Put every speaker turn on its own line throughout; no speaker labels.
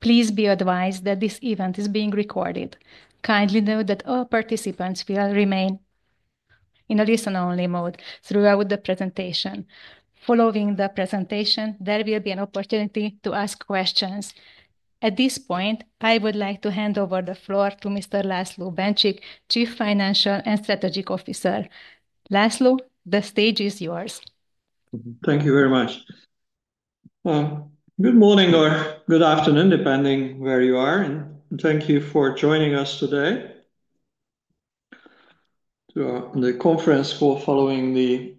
Please be advised that this event is being recorded. Kindly note that all participants will remain in a listen only mode throughout the presentation. Following the presentation, there will be an opportunity to ask questions. At this point, I would like to hand over the floor to Mr. László Bencsik, Chief Financial and Strategic Officer. László, the stage is yours.
Thank you very much. Good morning or good afternoon depending where you are. Thank you for joining us today. The conference for following the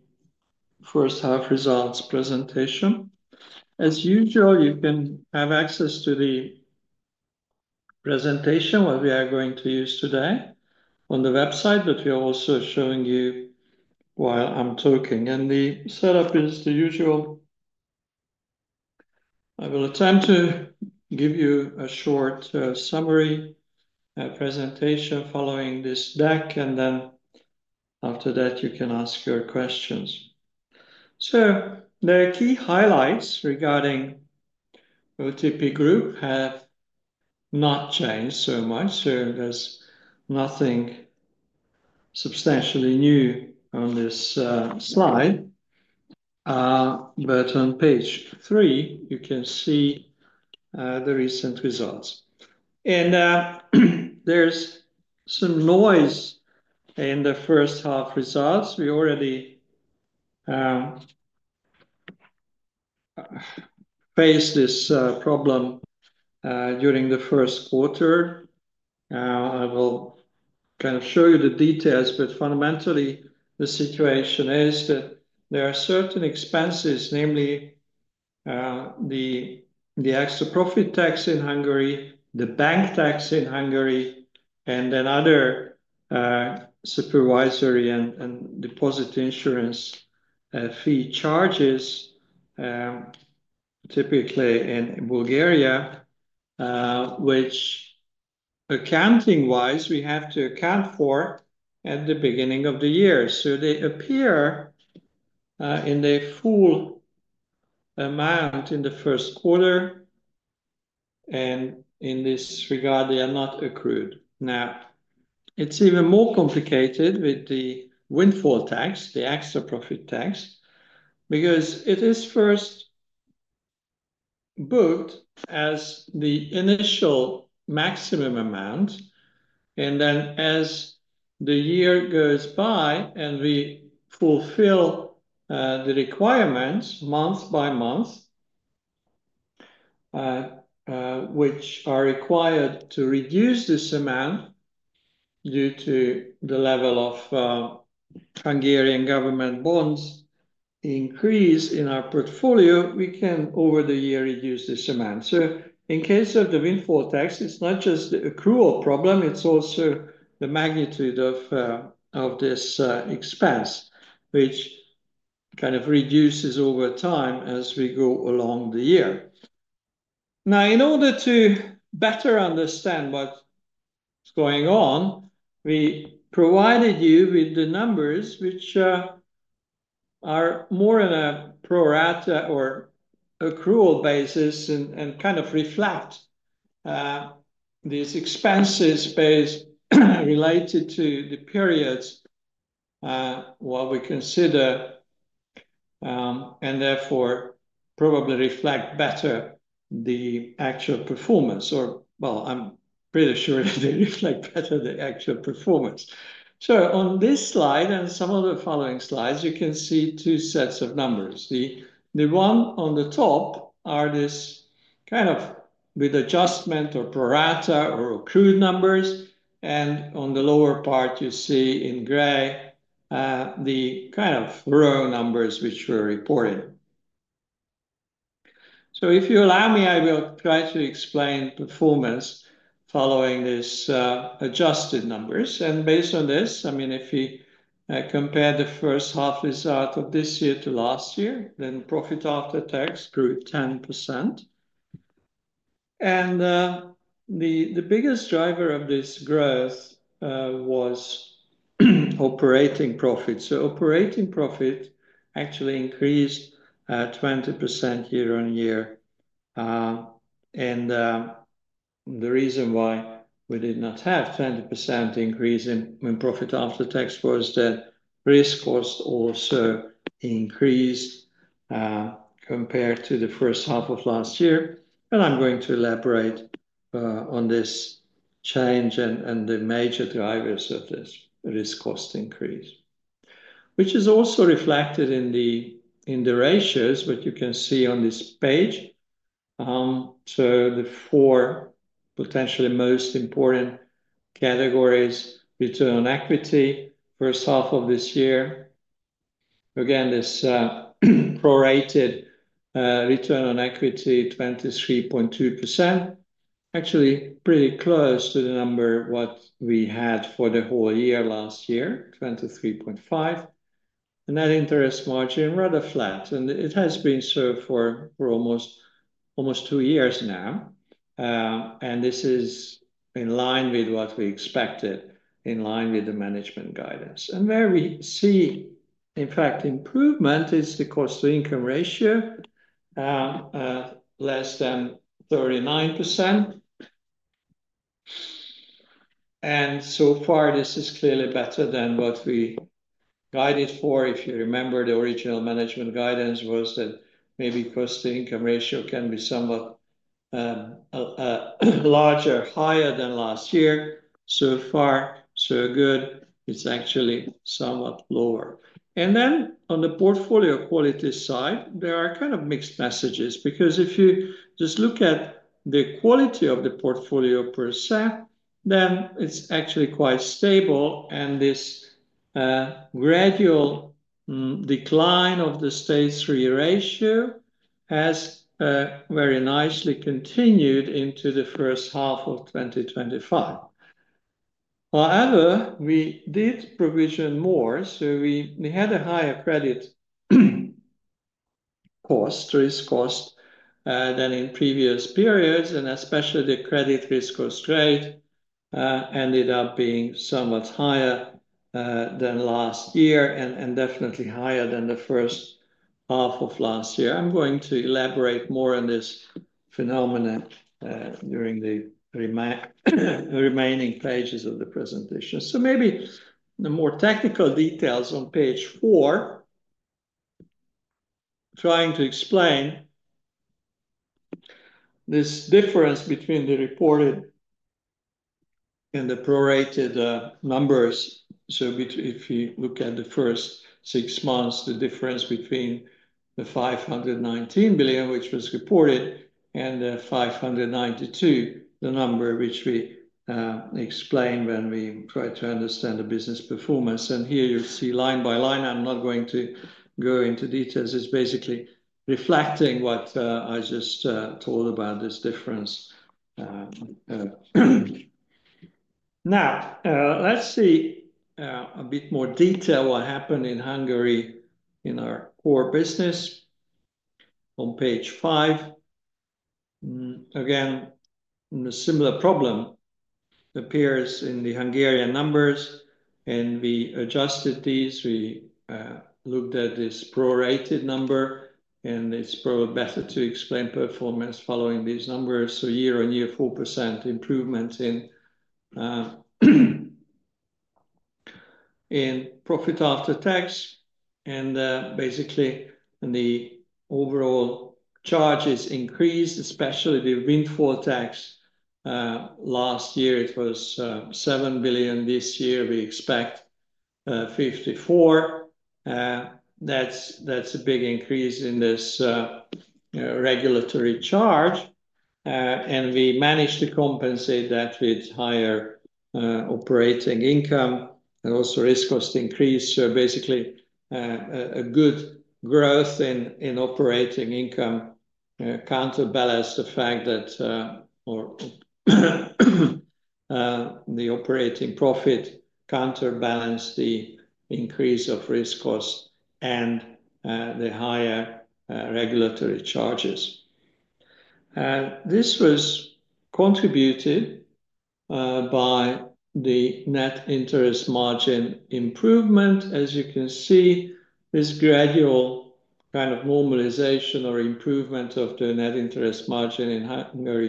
first half results presentation. As usual, you can have access to the presentation that we are going to use today on the website that we are also showing you while I'm talking, and the setup is the usual. I will attempt to give you a short summary presentation following this deck, and after that you can ask your questions. The key highlights regarding OTP Group have not changed so much. There's nothing substantially new on this slide. On page three, you can see the recent results, and there's some noise in the first half results. We already faced this problem during the first quarter. I will show you the details. Fundamentally, the situation is that there are certain expenses, namely the extra profit tax in Hungary, the bank tax in Hungary, and then other supervisory and deposit insurance fee charges, typically in Bulgaria, which, accounting wise, we have to account for at the beginning of the year. They appear in the full amount in the first quarter, and in this regard, they are not accrued. Now it's even more complicated with the windfall tax, the extra profit tax, because it is first booked as the initial maximum amount, and then as the year goes by and we fulfill the requirements month by month, which are required to reduce this amount due to the level of Hungarian government bonds increase in our portfolio, we can over the year reduce this amount. In case of the windfall tax, it's not just the accrual problem, it's also the magnitude of this expense which reduces over time as we go along the year. In order to better understand what's going on, we provided you with the numbers which are more in a pro rata or accrual basis and reflect these expenses based related to the periods we consider and therefore probably reflect better the actual performance. I'm pretty sure they reflect better the actual performance. On this slide and some of the following slides, you can see two sets of numbers. The one on the top are this kind of with adjustment or pro rata or accrued numbers. On the lower part, you see in gray the kind of raw numbers which we're reporting. If you allow me, I will try to explain performance following these adjusted numbers. Based on this, if we compare the first half result of this year to last year, profit after tax grew 10%. The biggest driver of this growth was operating profit. Operating profit actually increased 20% year on year. The reason why we did not have a 20% increase in profit after tax was that risk cost also increased compared to the first half of last year. I'm going to elaborate on this change and the major drivers of this risk cost increase, which is also reflected in the ratios. You can see on this page the four potentially most important categories: return on equity, first half of this year. Again, this prorated return on equity, 23.2%, is actually pretty close to the number we had for the whole year last year, 23.5%. Net interest margin is rather flat, and it has been so for almost two years now. This is in line with what we expected, in line with the management guidance. Where we see improvement is the cost-to-income ratio, less than 39%. So far, this is clearly better than what we guided for. If you remember, the original management guidance was that maybe cost-to-income ratio can be somewhat larger, higher than last year. So far, so good. It's actually somewhat lower. On the portfolio quality side, there are kind of mixed messages because if you just look at the quality of the portfolio per se, it's actually quite stable. This gradual decline of the stage three ratio has very nicely continued into the first half of 2025. However, we did provision more, so we had a higher credit cost risk post than in previous periods. Especially, the credit risk cost rate ended up being somewhat higher than last year and definitely higher than the first half of last year. I'm going to elaborate more on this phenomenon during the remaining pages of the presentation. Maybe the more technical details on page four, trying to explain this difference between the reported and the prorated numbers. If you look at the first six months, the difference between the 519 billion which was reported and 592 billion, the number which we explained when we tried to understand the business performance. Here you see line by line, I'm not going to go into details. It's basically reflecting what I just told about this difference. Now let's see a bit more detail. What happened in Hungary in our core business on page five. Again, the similar problem appears in the Hungarian numbers and we adjusted these. We looked at this prorated number and it's probably better to explain performance following these numbers. Year on year, 4% improvement in profit after tax. Basically, the overall charges increased, especially the windfall tax. Last year it was 7 billion. This year we expect 54 billion. That's a big increase in this regulatory charge. We managed to compensate that with higher operating income and also risk cost increase. Basically, a good growth in operating income counterbalanced the fact that the operating profit counterbalanced the increase of risk costs and the higher regulatory charges. This was contributed by the net interest margin improvement. As you can see, this gradual kind of normalization or improvement of the net interest margin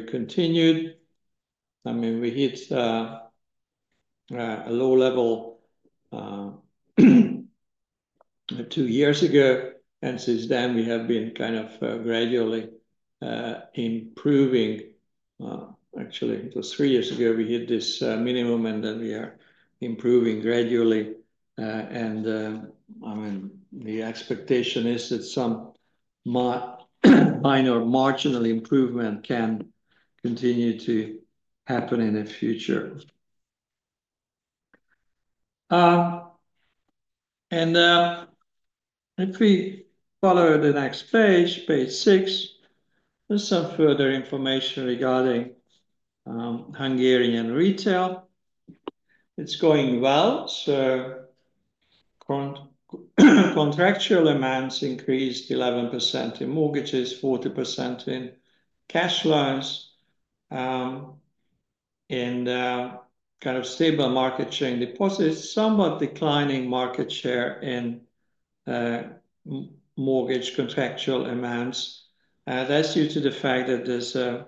continued. We hit a low level three years ago and since then we have been gradually improving. The expectation is that some minor marginal improvement can continue to happen in the future. If we follow the next page, page six, there's some further information regarding Hungarian retail. It's going well. Contractual amounts increased 11% in mortgages, 40% in cash flows in the kind of stable market share in deposits, somewhat declining market share in mortgage contractual amounts. That's due to the fact that there's a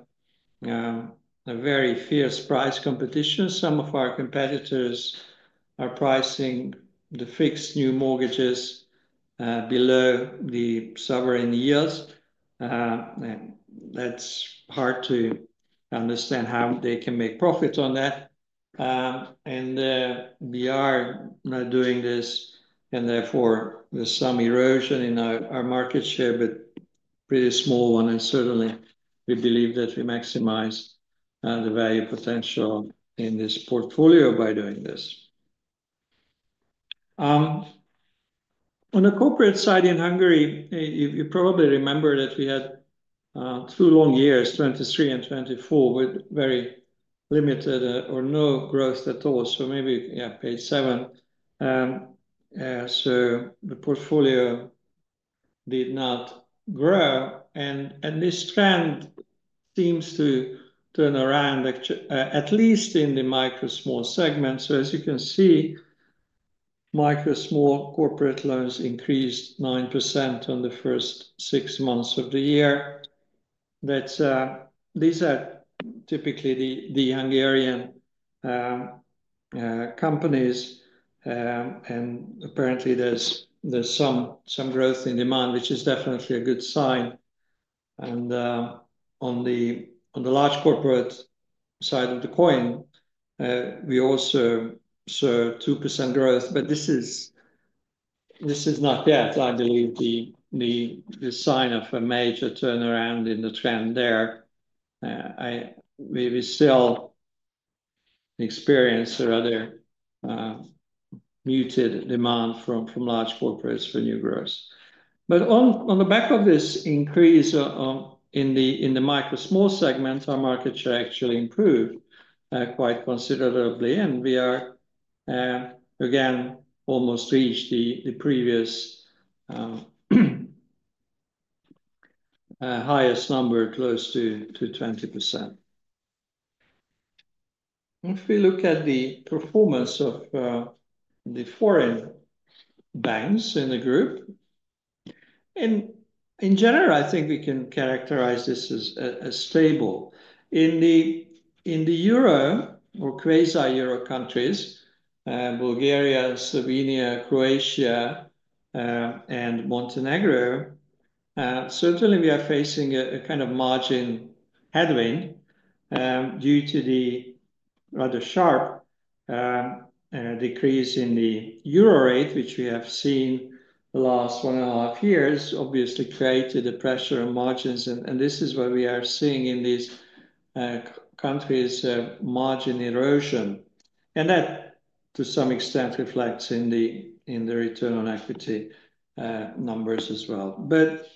very fierce price competition. Some of our competitors are pricing the fixed new mortgages below the sovereign yields. That's hard to understand how they can make profits on that. We are not doing this and therefore there's some erosion in our market share, but a pretty small one. Certainly, we believe that we maximize the value potential in this portfolio by doing this. On the corporate side in Hungary, you probably remember that we had two long years, 2023 and 2024, with very limited or no growth at all. Maybe page seven. The portfolio did not grow and this trend seems to turn around, at least in the micro small segment. As you can see, micro small corporate loans increased 9% in the first six months of the year. These are typically the Hungarian companies and apparently there's some growth in demand, which is definitely a good sign. On the large corporate side of the coin, we also saw 2% growth. This is not yet, I believe, the sign of a major turnaround in the trend there. We still experience rather muted demand from large corporates for new growth. On the back of this increase in the micro small segments, our market share actually improved quite considerably. We are again almost reached the previous highest number, close to 20%. If we look at the performance of the foreign banks in the group in general, I think we can characterize this as stable in the euro or quasi euro countries, Bulgaria, Slovenia, Croatia, and Montenegro. Certainly, we are facing a kind of margin headwind due to the rather sharp decrease in the euro rate which we have seen the last one and a half years. This obviously created the pressure on margins and this is what we are seeing in these countries, margin erosion, and that to some extent reflects in the return on equity numbers as well.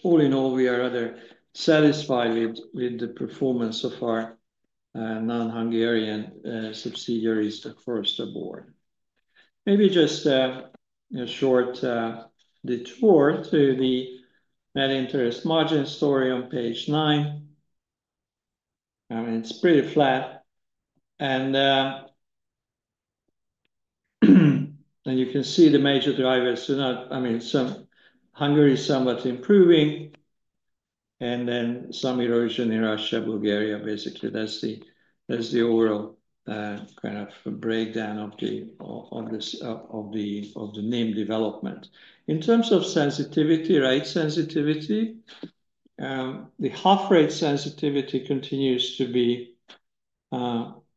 All in all, we are rather satisfied with the performance of our non-Hungarian subsidiaries abroad, maybe just a short detour to the net interest margin story on page nine. It's pretty flat and you can see the major drivers do not. Hungary is somewhat improving and then some erosion in our Bulgaria. Basically, that's the overall kind of breakdown of the NIM development. In terms of sensitivity, rate sensitivity, the half rate sensitivity continues to be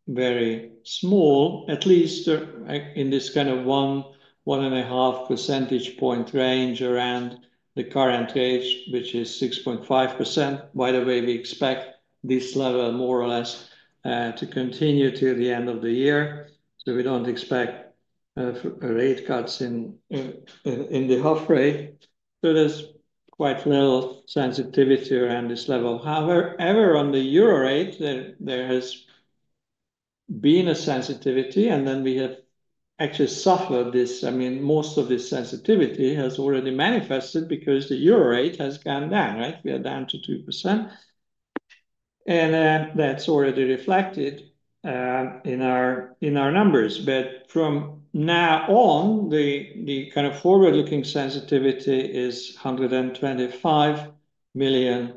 very small, at least in this kind of one, one and a half percentage point range around the current rate which is 6.5% by the way. We expect this level more or less to continue to the end of the year. We don't expect rate cuts in the half rate. There is quite little sensitivity around this level. However, on the euro rate there has been a sensitivity and then we have actually soft loved this. Most of this sensitivity has already manifested because the euro rate has gone down. We are down to 2% and that's already reflected in our numbers. From now on, the kind of forward-looking sensitivity is 125 million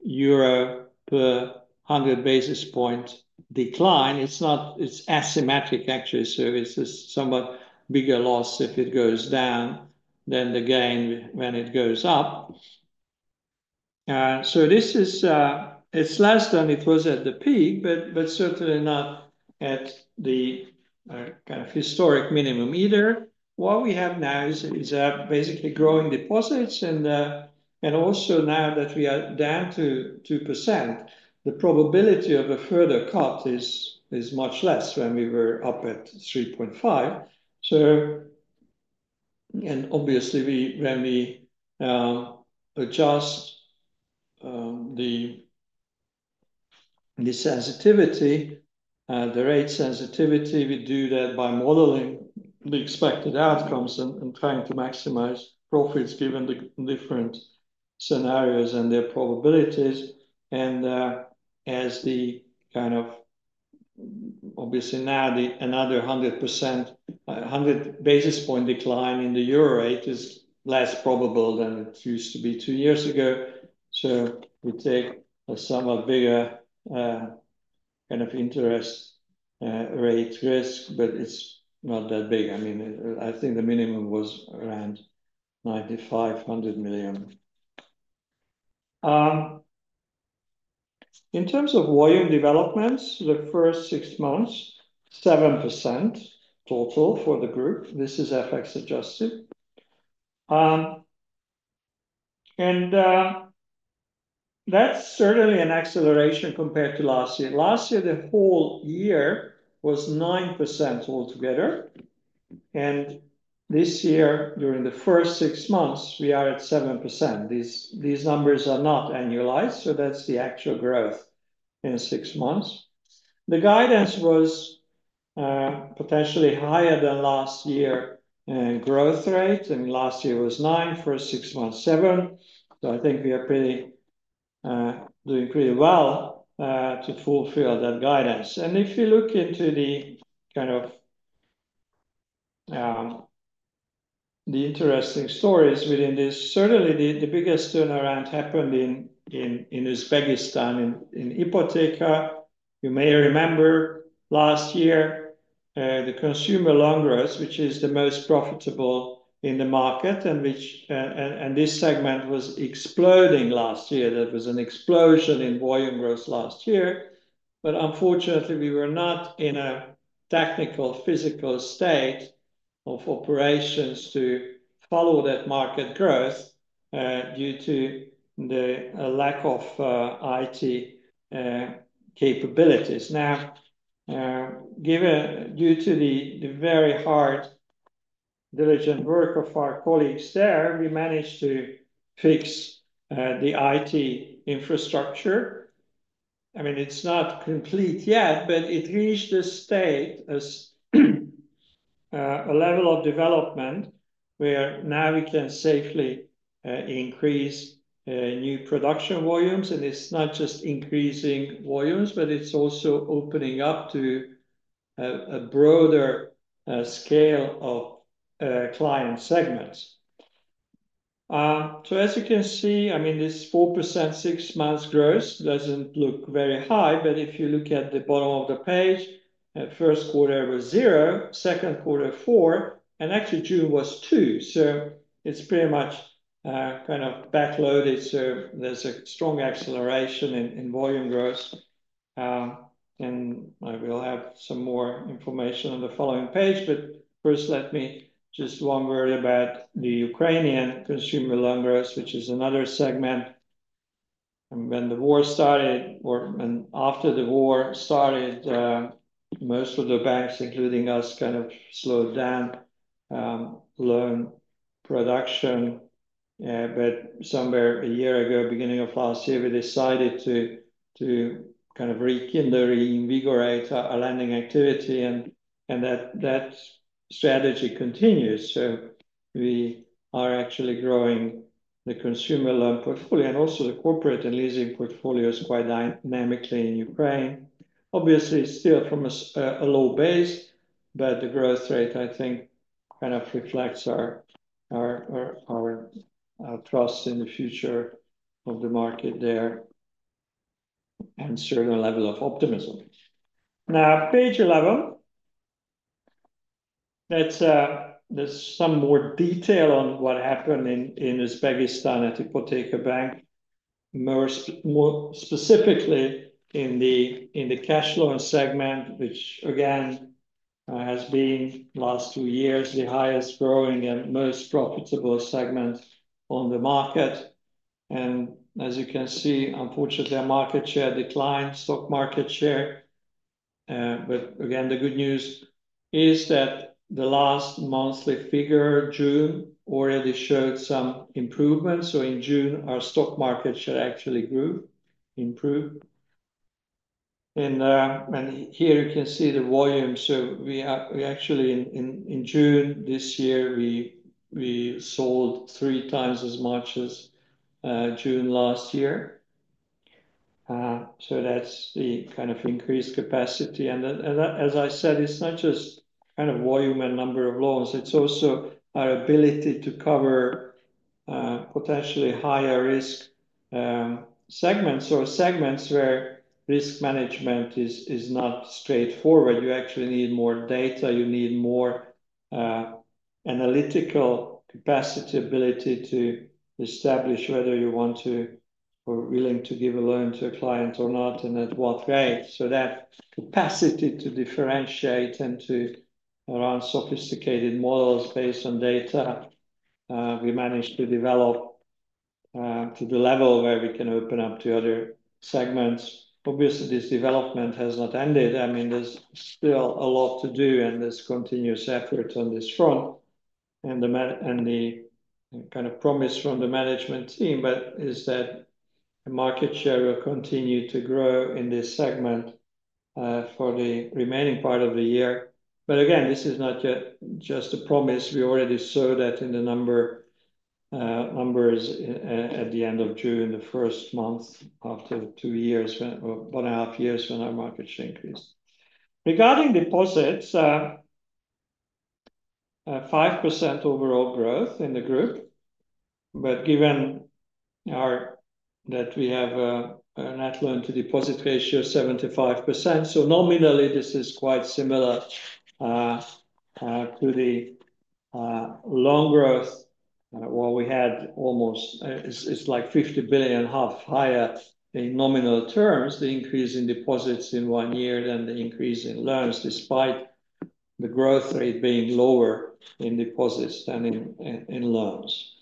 euro per 100 basis point decline. It's asymmetric actually, so it's somewhat bigger loss if it goes down than the gain when it goes up. This is less than it was at the peak, but certainly not at the kind of historic minimum either. What we have now is basically growing deposits and also now that we are down to 2%, the probability of a further cut is much less than when we were up at 3.5%. Obviously, when we adjust the sensitivity, the rate sensitivity, we do that by modeling the expected outcomes and trying to maximize profits given the different scenarios and their probabilities. Obviously, now another 100 basis point decline in the euro rate is less probable than it used to be two years ago. We take a somewhat bigger kind of interest rate risk, but it's not that big. I think the minimum was around 9,500 million in terms of volume developments the first six months, 7% total for the group. This is FX adjusted and that's certainly an acceleration compared to last year. Last year the whole year was 9% altogether and this year during the first six months we are at 7%. These numbers are not annualized, so that's the actual growth in six months. The guidance was potentially higher than last year growth rate and last year was 9% for 617 billion. I think we are doing pretty well to fulfill that guidance. If you look into the interesting stories within this, certainly the biggest turnaround happened in Uzbekistan in Ipoteka. You may remember last year the consumer loan growth, which is the most profitable in the market. This segment was exploding last year. There was an explosion in volume growth last year, but unfortunately we were not in a technical physical state of operations to follow that market growth due to the lack of IT capabilities. Now, due to the very hard diligent work of our colleagues there, we managed to fix the IT infrastructure. It's not complete yet, but it reached the state as a level of development where now we can safely increase new production volumes. It's not just increasing volumes, but it's also opening up to a broader scale of client segments. As you can see, this 4% six months gross doesn't look very high, but if you look at the bottom of the page, first quarter was 0%, second quarter 4%, and actually June was 2%. It's pretty much backloaded, so there's a strong acceleration in volume growth. I will have some more information on the following page. First, let me just mention one worry about the Ukrainian consumer loan growth, which is another segment. When the war started, most of the banks, including us, slowed down loan production. Somewhere a year ago, beginning of last year, we decided to rekindle, reinvigorate our lending activity and that strategy continues. We are actually growing the consumer loan portfolio and also the corporate and leasing portfolios quite dynamically in Ukraine, obviously still from a low base. The growth rate, I think, kind of reflects our trust in the future of the market there and a certain level of optimism. Now, page 11, there's some more detail on what happened in Uzbekistan at the Ipoteka bank, more specifically in the cash flow and segment, which again has been the last two years the highest growing and most profitable segment on the market. As you can see, unfortunately our market share declined, stock market share. The good news is that the last monthly figure, June, already showed some improvements. In June, our stock market share actually grew, improved. Here you can see the volume. In June this year, we sold 3x as much as June last year. That's the kind of increased capacity. As I said, it's not just kind of volume and number of loans. It's also our ability to cover potentially higher risk segments or segments where risk management is not straightforward. You actually need more data, you need more analytical capacity, ability to establish whether you want to or are willing to give a loan to a client or not and at what rate. That capacity to differentiate and to run sophisticated models based on data we managed to develop to the level where we can open up to other segments. Obviously, this development has not ended. There's still a lot to do and this is a continuous effort on this front. The kind of promise from the management team is that market share will continue to grow in this segment for the remaining part of the year. This is not yet just a promise. We already saw that in the numbers at the end of June, the first month after two years or one and a half years when our market share increased. Regarding deposits, 5% overall growth in the group. Given that we have an 80% loan to deposit ratio, 75%. Nominally, this is quite similar to the loan growth. We had almost, it's like 50 billion higher in nominal terms, the increase in deposits in one year than the increase in loans, despite the growth rate being lower in deposits than loans.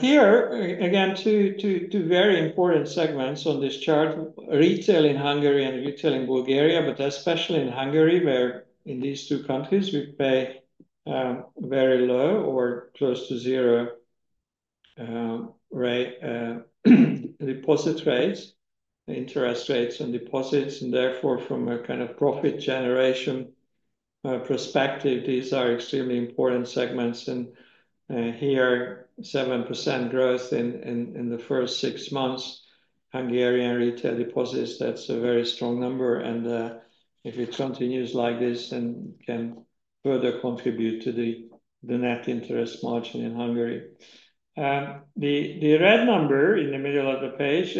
Here again, two very important segments on this chart: retail in Hungary and retail in Bulgaria, but especially in Hungary, where in these two countries we pay very low or close to zero deposit rates, interest rates and deposits. Therefore, from a kind of profit generation perspective, these are extremely important segments. Here, 7% growth in the first six months, Hungarian retail deposits. That's a very strong number. If it continues like this, then further contribute to the net interest margin in Hungary, the red number in the middle of the page,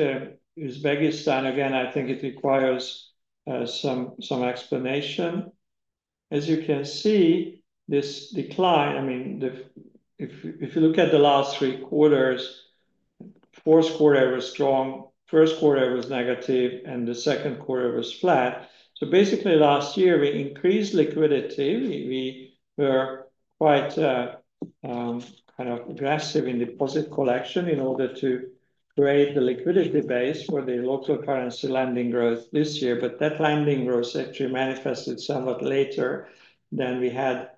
Uzbekistan. Again, I think it requires some explanation. As you can see, this decline. I mean, if you look at the last three quarters, fourth quarter was strong, first quarter was negative, and the second quarter was flat. Basically, last year we increased liquidity. We were quite kind of aggressive in deposit collection in order to create the liquidity base for the local currency lending growth this year. That lending growth actually manifested somewhat later than we had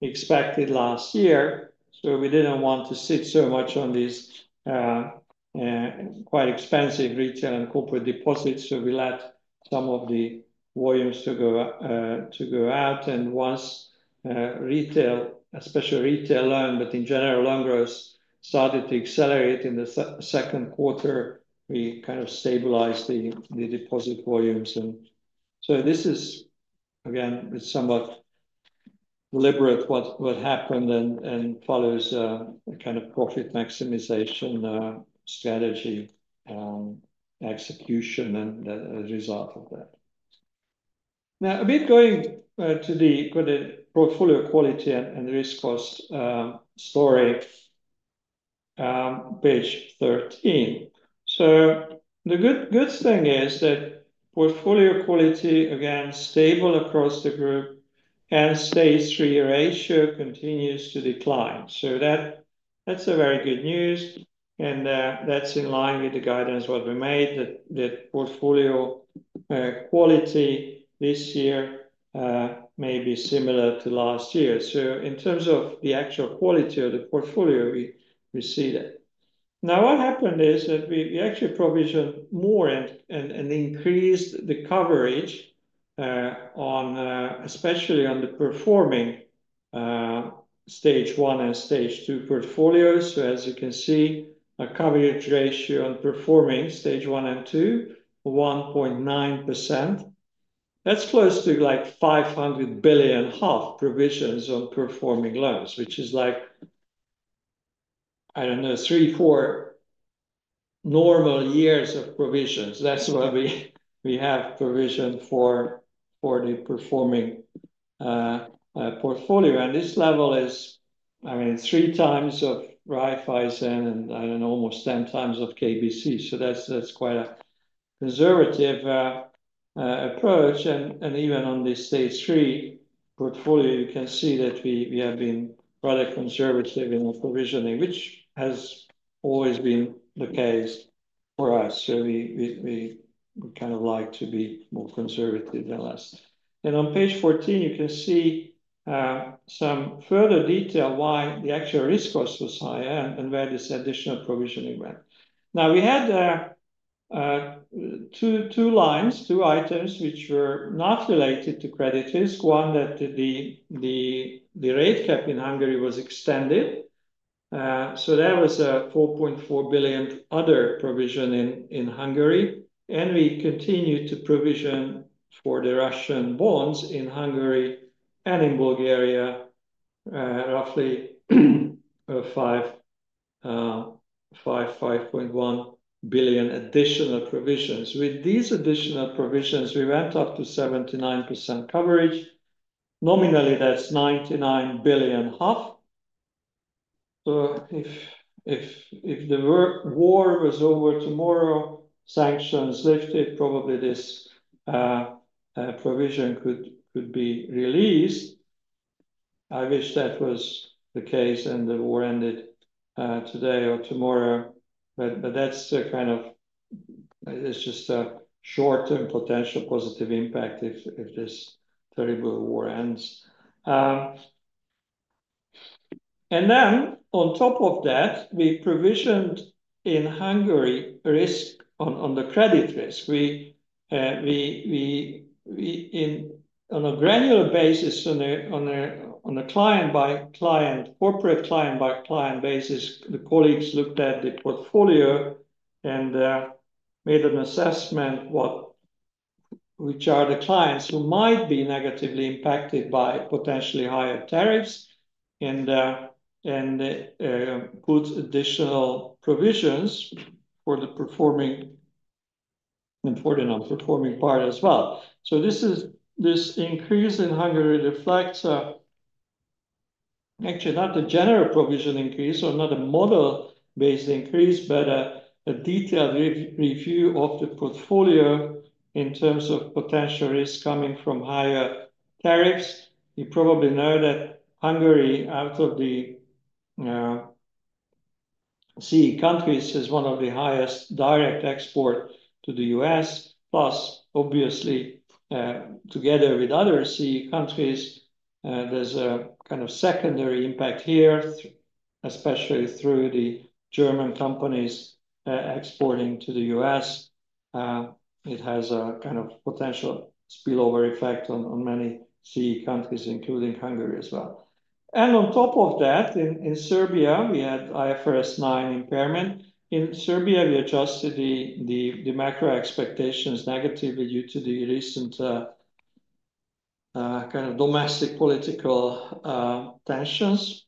expected last year where we didn't want to sit so much on these quite expensive retail and corporate deposits. We let some of the volumes go out, and once retail, especially retail loan, but in general loan growth started to accelerate in the second quarter, we kind of stabilized the deposit volumes. This is again somewhat deliberate what happened and follows kind of profit maximization strategy execution. As a result of that, now a bit going to the portfolio quality and risk cost story, page 13. The good thing is that portfolio quality again stable across the group as the history ratio continues to decline. That's very good news and that's in line with the guidance we made that portfolio quality this year may be similar to last year. In terms of the actual quality of the portfolio, we see that now what happened is that we actually provisioned more and increased the coverage on especially underperforming stage one and stage two portfolios. As you can see, a coverage ratio on performing stage one and two, 1.9%, that's close to like 500 billion provisions on performing loans, which is like, I don't know, three, four normal years of provisions. That's why we have provision for the performing portfolio. This level is, I mean, 3x of Raiffeisen and, I don't know, almost 10x of KBC. That's quite a conservative approach. Even on this stage three portfolio, you can see that we have been rather conservative in provisioning, which has always been the case for us. We kind of like to be more conservative than less. On page 14 you can see some further detail why the actual risk cost was higher and where this additional provisioning went. We had two lines, two items which were not related to credit risk. One, that the rate cap in Hungary was extended. That was a 4.4 billion other provision in Hungary and we continue to provision for the Russian bonds in Hungary and in Bulgaria, roughly 5.1 billion additional provisions. With these additional provisions we went up to 79% coverage. Nominally that's HUF 99 billion. If the war was over tomorrow, sanctions lifted, probably this provision would be released. I wish that was the case and the war ended today or tomorrow. That's just short term potential positive impact if this terrible war ends. On top of that we provisioned in Hungary risk on the credit risk on a granular basis on a client by client, corporate client by client basis. The colleagues looked at the portfolio and made an assessment which are the clients who might be negatively impacted by potentially higher tariffs and put additional provisions for the performing and for the non-performing part as well. This increase in Hungary reflects actually not the general provision increase or not a model-based increase, but a detailed review of the portfolio in terms of potential risk coming from higher tariffs. You probably know that Hungary out of the CEE countries is one of the highest direct export to the U.S. plus obviously together with other CEE countries there's a kind of secondary impact here, especially through the German companies exporting to the U.S. It has a kind of potential spillover effect on many CEE countries including Hungary as well. On top of that in Serbia we had IFRS 9 impairment. In Serbia we adjusted the macro expectations negatively due to the recent kind of domestic political tensions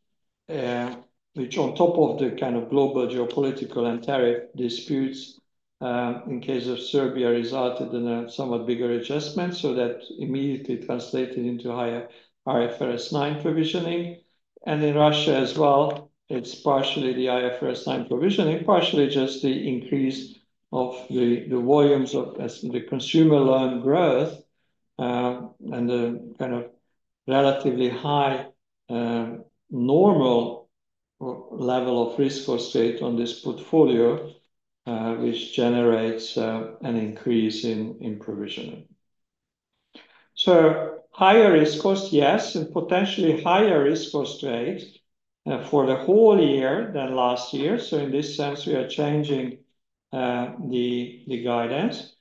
which on top of the global geopolitical and tariff disputes in case of Serbia resulted in a somewhat bigger adjustment. That immediately translated into higher IFRS 9 provisioning. In Russia as well, it's partially the IFRS 9 provisioning, partially just the increase of the volumes of the consumer loan growth and the kind of relatively high normal level of risk for state on this portfolio which generates an increase in provisioning. Higher risk cost, yes, and potentially higher risk cost rate for the whole year than last year. In this sense we are changing the guidance.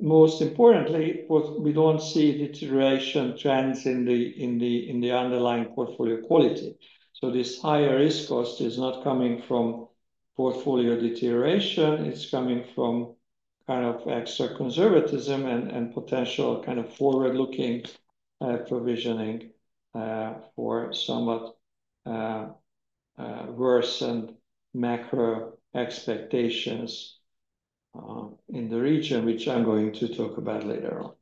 Most importantly, we don't see deterioration trends in the underlying portfolio quality. This higher risk cost is not coming from portfolio deterioration; it's coming from extra conservatism and potential forward-looking provisioning for somewhat worsened macro expectations in the region, which I'm going to talk about later on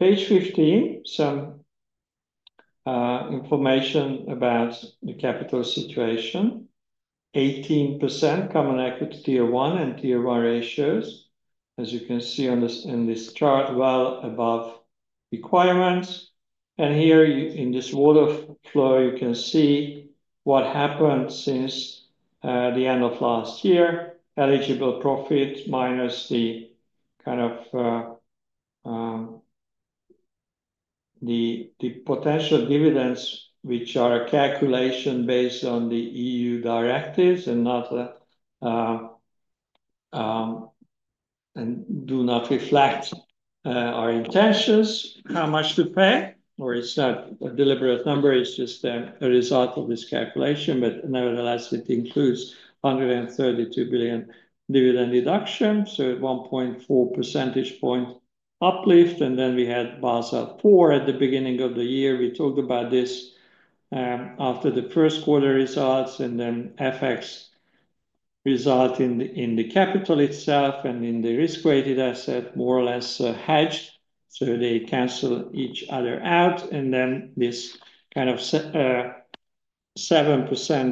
page 15, with some information about the capital situation. 18% common equity Tier 1 and Tier 1 ratios, as you can see in this chart, are well above requirements. In this water flow, you can see what happened since the end of last year. Eligible profit minus the potential dividends, which are a calculation based on the E.U. directives and do not reflect our intentions for how much to pay. It's not a deliberate number; it's just a result of this calculation. Nevertheless, it includes 132 billion dividend deduction, so 1.4 percentage point uplift. We had Basel IV at the beginning of the year. We talked about this after the first quarter results. FX result in the capital itself and in the risk-weighted asset are more or less hedged, so they cancel each other out. This 7%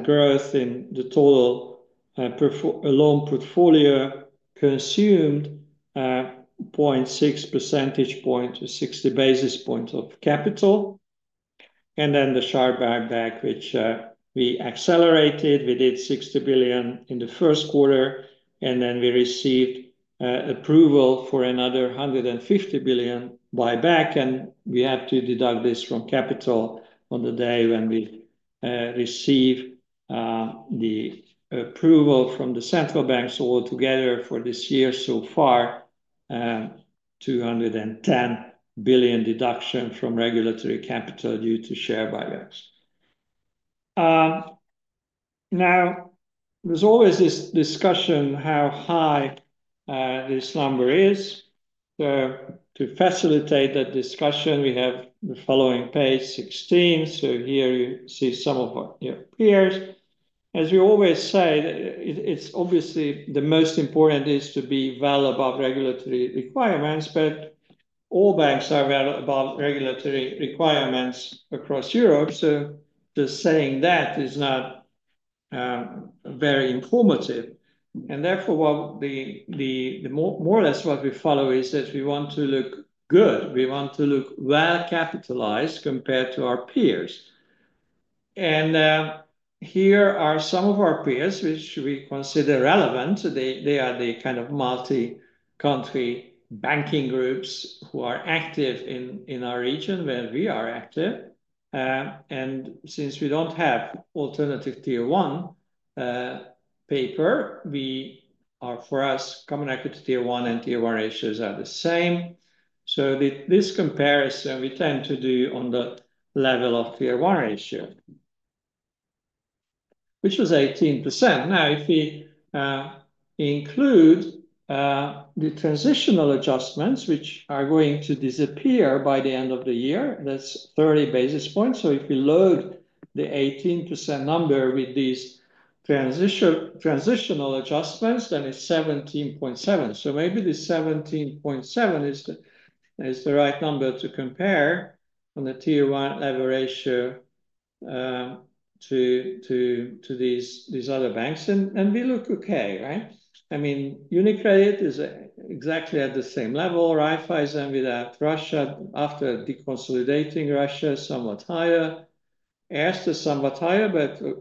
growth in the total loan portfolio consumed 0.6 percentage point, 60 basis points, of capital. The share buyback, which we accelerated, was 60 billion in the first quarter, and then we received approval for another 150 billion buyback. We have to deduct this from capital on the day when we receive the approval from the central banks. Altogether, for this year so far, 210 billion deduction from regulatory capital due to share buybacks. There is always this discussion about how high this number is. To facilitate that discussion, we have the following page 16. Here you see some of our peers. As we always say, the most important thing is to be well above regulatory requirements. All banks are above regulatory requirements across Europe. Just saying that is not very informative, and therefore, more or less what we follow is that we want to look good, we want to look well capitalized compared to our peers. Here are some of our peers which we consider relevant. They are the multi-country banking groups who are active in our region where we are active. Since we don't have alternative Tier 1 paper, for us, common equity Tier 1 and Tier 1 ratios are the same. This comparison we tend to do on the level of Tier 1 ratio, which was 18%. Now if we include the transitional adjustments which are going to disappear by the end of the year, that's 30 basis points. If you load the 18% number with these transitional adjustments, then it's 17.7%. Maybe the 17.7% is the right number to compare on the Tier 1 capital adequacy ratio to these other banks. We look okay, right? I mean, UniCredit is exactly at the same level. Raiffeisen with that Russia after deconsolidating Russia is somewhat higher, Erste is somewhat higher.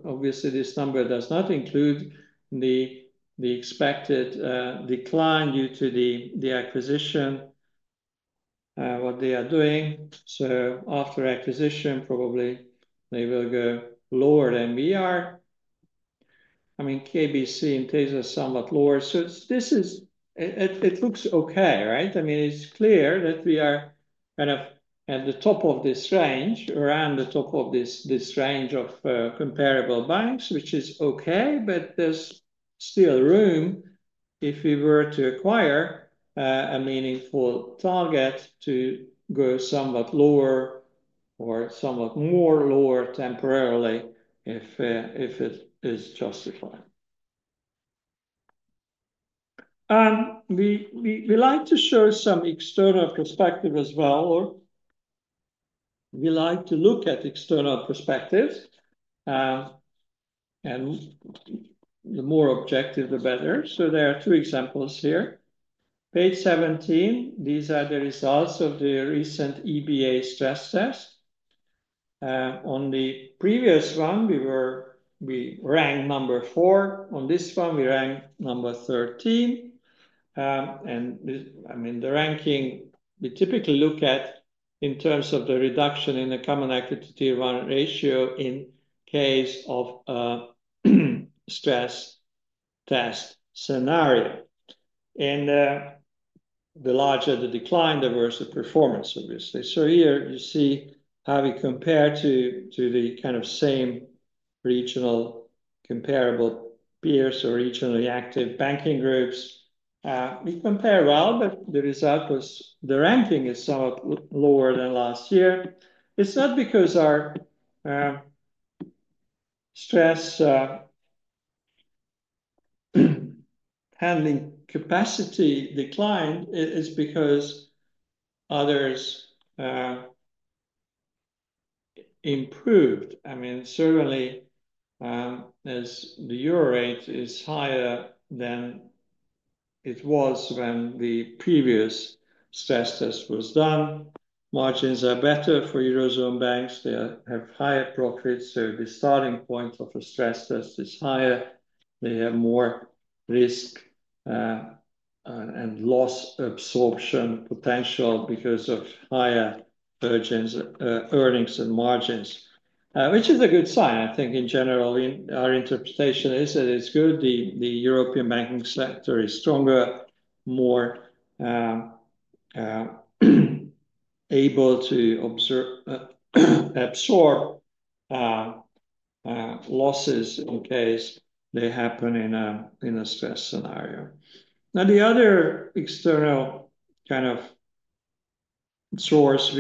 Obviously, this number does not include the expected decline due to the acquisition they are doing. After acquisition, probably they will go lower than we are. I mean, KBC and Erste are somewhat lower. This looks okay, right? It's clear that we are kind of at the top of this range, around the top of this range of comparable banks, which is okay. There's still room if we were to acquire a meaningful target to go somewhat lower or somewhat more lower temporarily if it is justified. We like to show some external perspective as well, or we like to look at external perspectives, and the more objective the better. There are two examples here. Page 17. These are the results of the recent EBA stress test. On the previous one, we ranked number four. On this one, we ranked number 13. The ranking we typically look at in terms of the reduction in the common equity Tier 1 ratio in case of stress test scenario. The larger the decline, the worse the performance, obviously. Here you see how we compare to the same regional comparable peers or regionally active banking groups. We compare well, but the result was the ranking is somewhat lower than last year. It's not because our stress handling capacity declined, it's because others improved. Certainly, as the euro rate is higher than it was when the previous stress test was done, margins are better for Eurozone banks. They have higher profits, so the starting point of a stress test is higher. They have more risk and loss absorption potential because of higher earnings and margins, which is a good sign. In general, our interpretation is that it's good the European banking sector is stronger, more able to absorb losses in case they happen in a stress scenario. The other external kind of source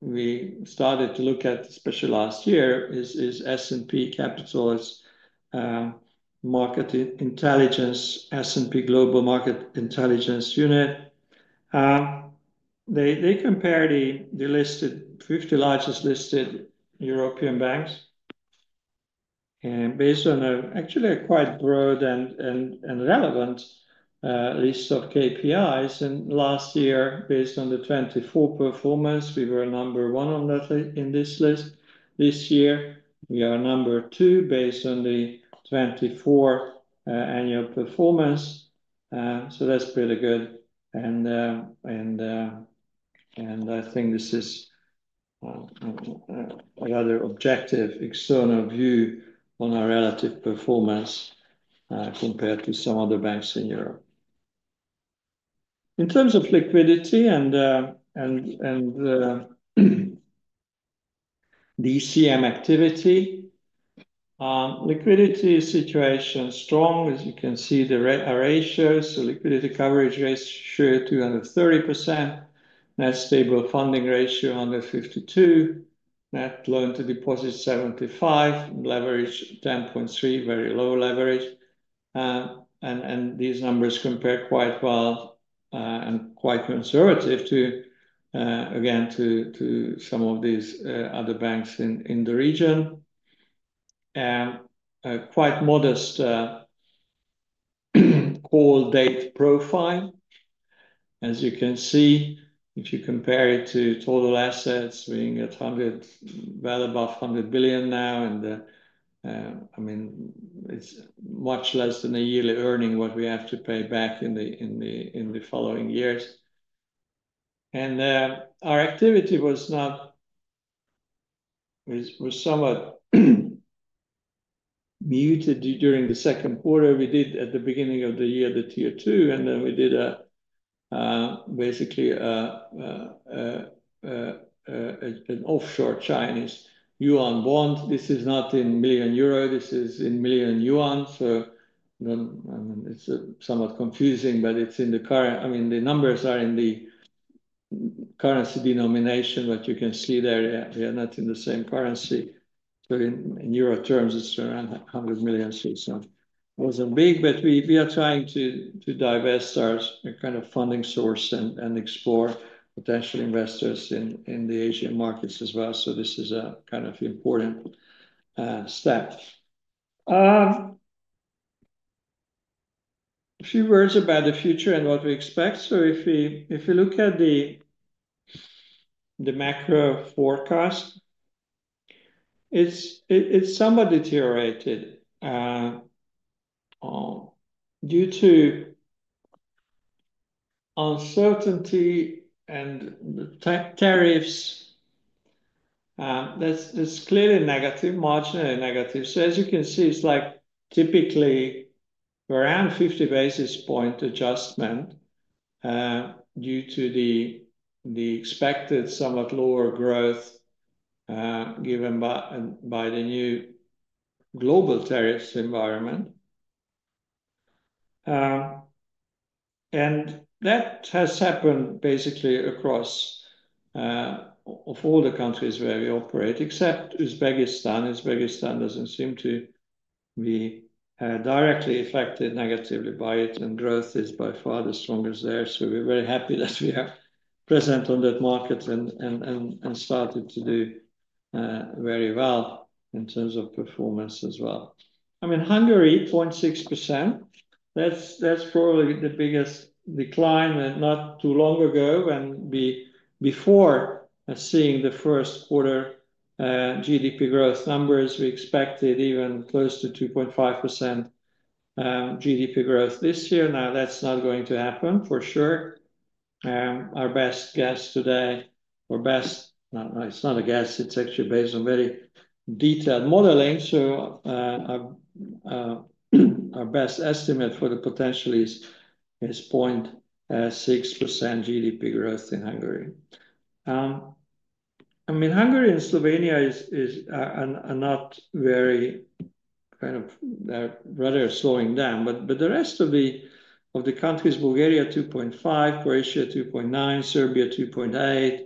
we started to look at, especially last year, is S&P Global Market Intelligence. They compare the 50 largest listed European banks based on actually a quite broad and relevant list of KPIs. Last year, based on the 2024 performance, we were number one in this list. This year we are number two based on the 2024 annual performance. That's pretty good. I think this is another objective external view on our relative performance compared to some other banks in Europe in terms of liquidity and DCM activity. Liquidity situation strong. As you can see, the ratios: liquidity coverage ratio 230%, net stable funding ratio under 152%, net loan to deposit 75%, leverage 10.3%, very low leverage. These numbers compare quite well and quite conservatively to some of these other banks in the region. Quite modest call date profile as you can see if you compare it to total assets being at 100 billion, well above 100 billion now. It's much less than a yearly earning what we have to pay back in the following years. Our activity was somewhat muted during the second quarter. We did at the beginning of the year the Tier 2 and then we did basically an offshore Chinese yuan bond. This is not in million euro, this is in million yuan, so it's somewhat confusing but it's in the current. The numbers are in the currency denomination. What you can see there, they are not in the same currency but in euro terms it's around 100 million. It wasn't big. We are trying to divest our kind of funding source and explore potential investors in the Asian markets as well. This is a kind of important step, a few words about the future and what we expect. If we look at the macro forecast, it's somewhat deteriorated due to uncertainty and the tariffs. That's clearly negative, marginally negative. As you can see, it's typically around 50 basis point adjustment due to the expected somewhat lower growth given by the new global tariffs environment. That has happened basically across all the countries where we operate except Uzbekistan. Uzbekistan doesn't seem to be directly affected negatively by it and growth is by far the strongest there. We're very happy that we are present on that market and started to do very well in terms of performance as well. Hungary 0.6% that's probably the biggest decline. Not too long ago and before seeing the first quarter GDP growth numbers, we expected even close to 2.5% GDP growth this year. Now that's not going to happen for sure. Our best guess today, or best, it's not a guess. It's actually based on very detailed modeling. Our best estimate for the potential is 0.6% GDP growth in Hungary. I mean, Hungary and Slovenia are not very, kind of, rather slowing down. The rest of the countries, Bulgaria 2.5%, Croatia 2.9%, Serbia 2.8%,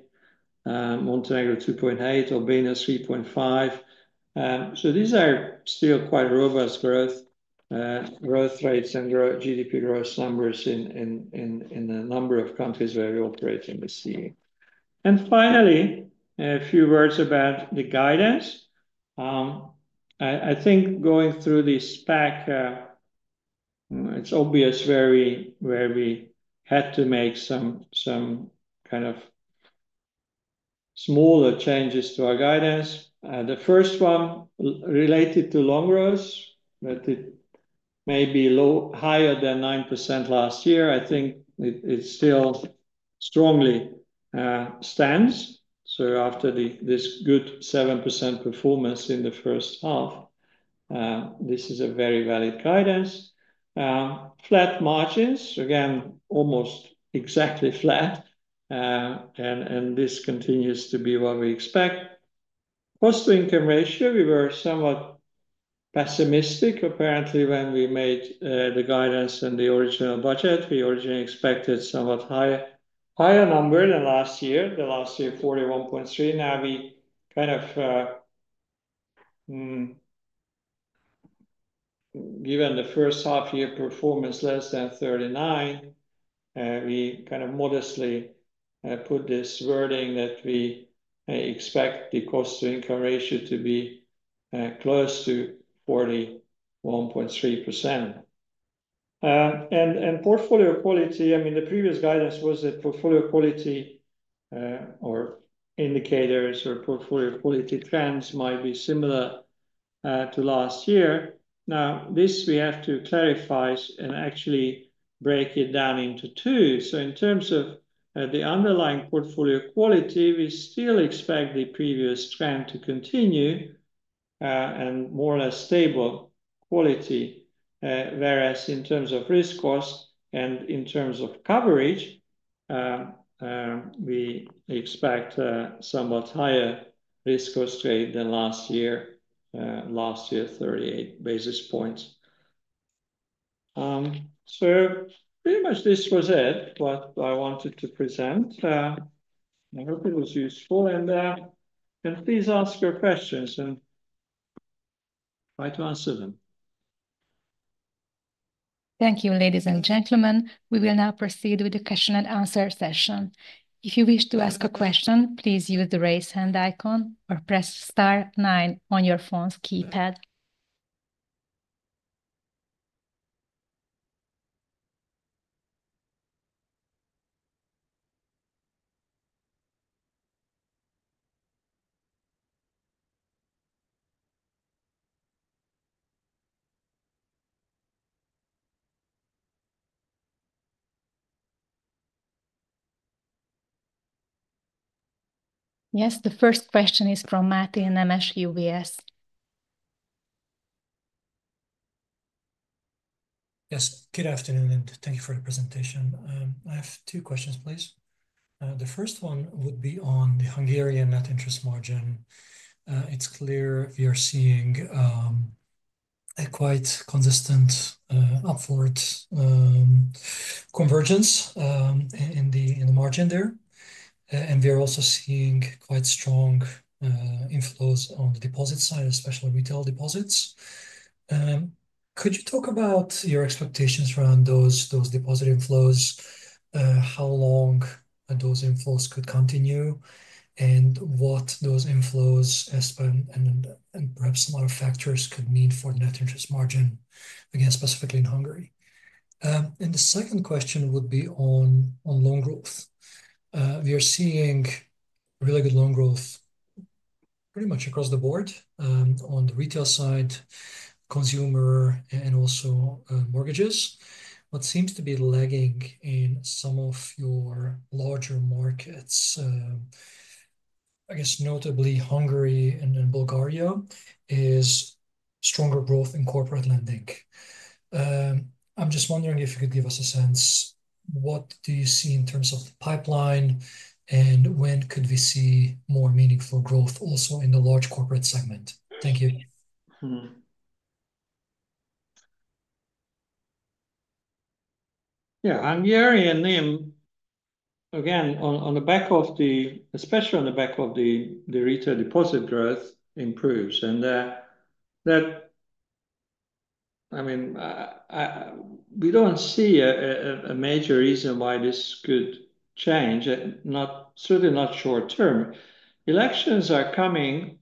Montenegro 2.8%, Albania 3.5%. These are still quite robust growth rates and GDP growth numbers in a number of countries where we operate in the CEE. Finally, a few words about the guidance. I think going through the spec, it's obvious where we had to make some kind of smaller changes to our guidance. The first one related to loan growth, but it may be higher than 9% last year. I think it still strongly stands. After this good 7% performance in the first half, this is a very valid guidance. Flat margins, again, almost exactly flat. This continues to be what we expect. Cost-to-income ratio, we were somewhat pessimistic apparently when we made the guidance and the original budget. We originally expected somewhat higher number than last year. Last year, 41.3%. Now, given the first half year performance, less than 39%. We modestly put this wording that we expect the cost-to-income ratio to be close to 41.3%. Portfolio quality, I mean, the previous guidance was that portfolio quality or indicators or portfolio quality trends might be similar to last year. Now, we have to clarify and actually break it down into two. In terms of the underlying portfolio quality, we still expect the previous trend to continue and more or less stable quality. Whereas in terms of risk cost and in terms of coverage, we expect somewhat higher risk cost rate than last year. Last year, 38 basis points. Pretty much, this was it, what I wanted to present. I hope it was useful and please ask your questions and try to answer them.
Thank you, ladies and gentlemen. We will now proceed with the question and answer session. If you wish to ask a question, please use the raise hand icon or press star nine on your phone's keypad. Yes, the first question is from Mate Nemes UBS.
Yes, good afternoon and thank you for the presentation. I have two questions please. The first one would be on the Hungarian net interest margin. It's clear we are seeing a quite consistent upward convergence in the margin there, and they're also seeing quite strong inflows on the deposit side, especially retail deposits. Could you talk about your expectations around those deposit inflows, how long those inflows could continue, and what those inflows and perhaps some other factors could mean for net interest margin again specifically in Hungary? The second question would be on loan growth. We are seeing really good loan growth pretty much across the board on the retail side, consumer and also mortgages. What seems to be lagging in some of your larger markets, I guess notably Hungary and Bulgaria, is stronger growth in corporate lending. I'm just wondering if you could give us a sense what do you see in terms of the pipeline and when could we see more meaningful growth also in the large corporate segment? Thank you.
Yeah, I’m here on NIM again, especially on the back of the retail deposit growth improves and that, I mean we don't see a major reason why this could change. Certainly not short term. Elections are coming,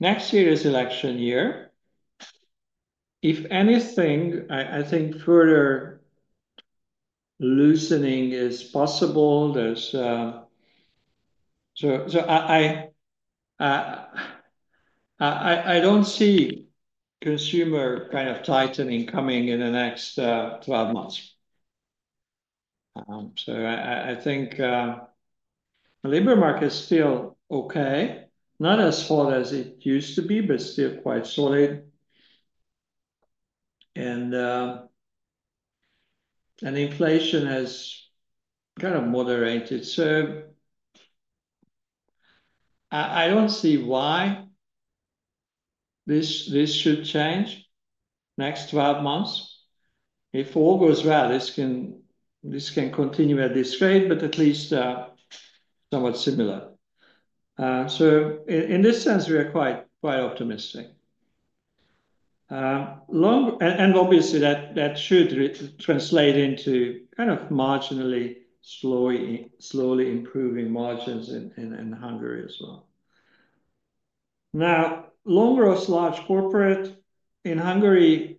next year is election year. If anything, I think further loosening is possible. I don't see consumer kind of tightening coming in the next 12 months. I think labor market is still okay, not as hot as it used to be but still quite solid, and inflation has kind of moderated. I don't see why this should change next 12 months. If all goes well, this can continue at this rate, but at least somewhat similar. In this sense, we are quite optimistic long and obviously that should translate into kind of marginally, slowly, slowly improving margins in Hungary as well. Now, long or large corporate in Hungary,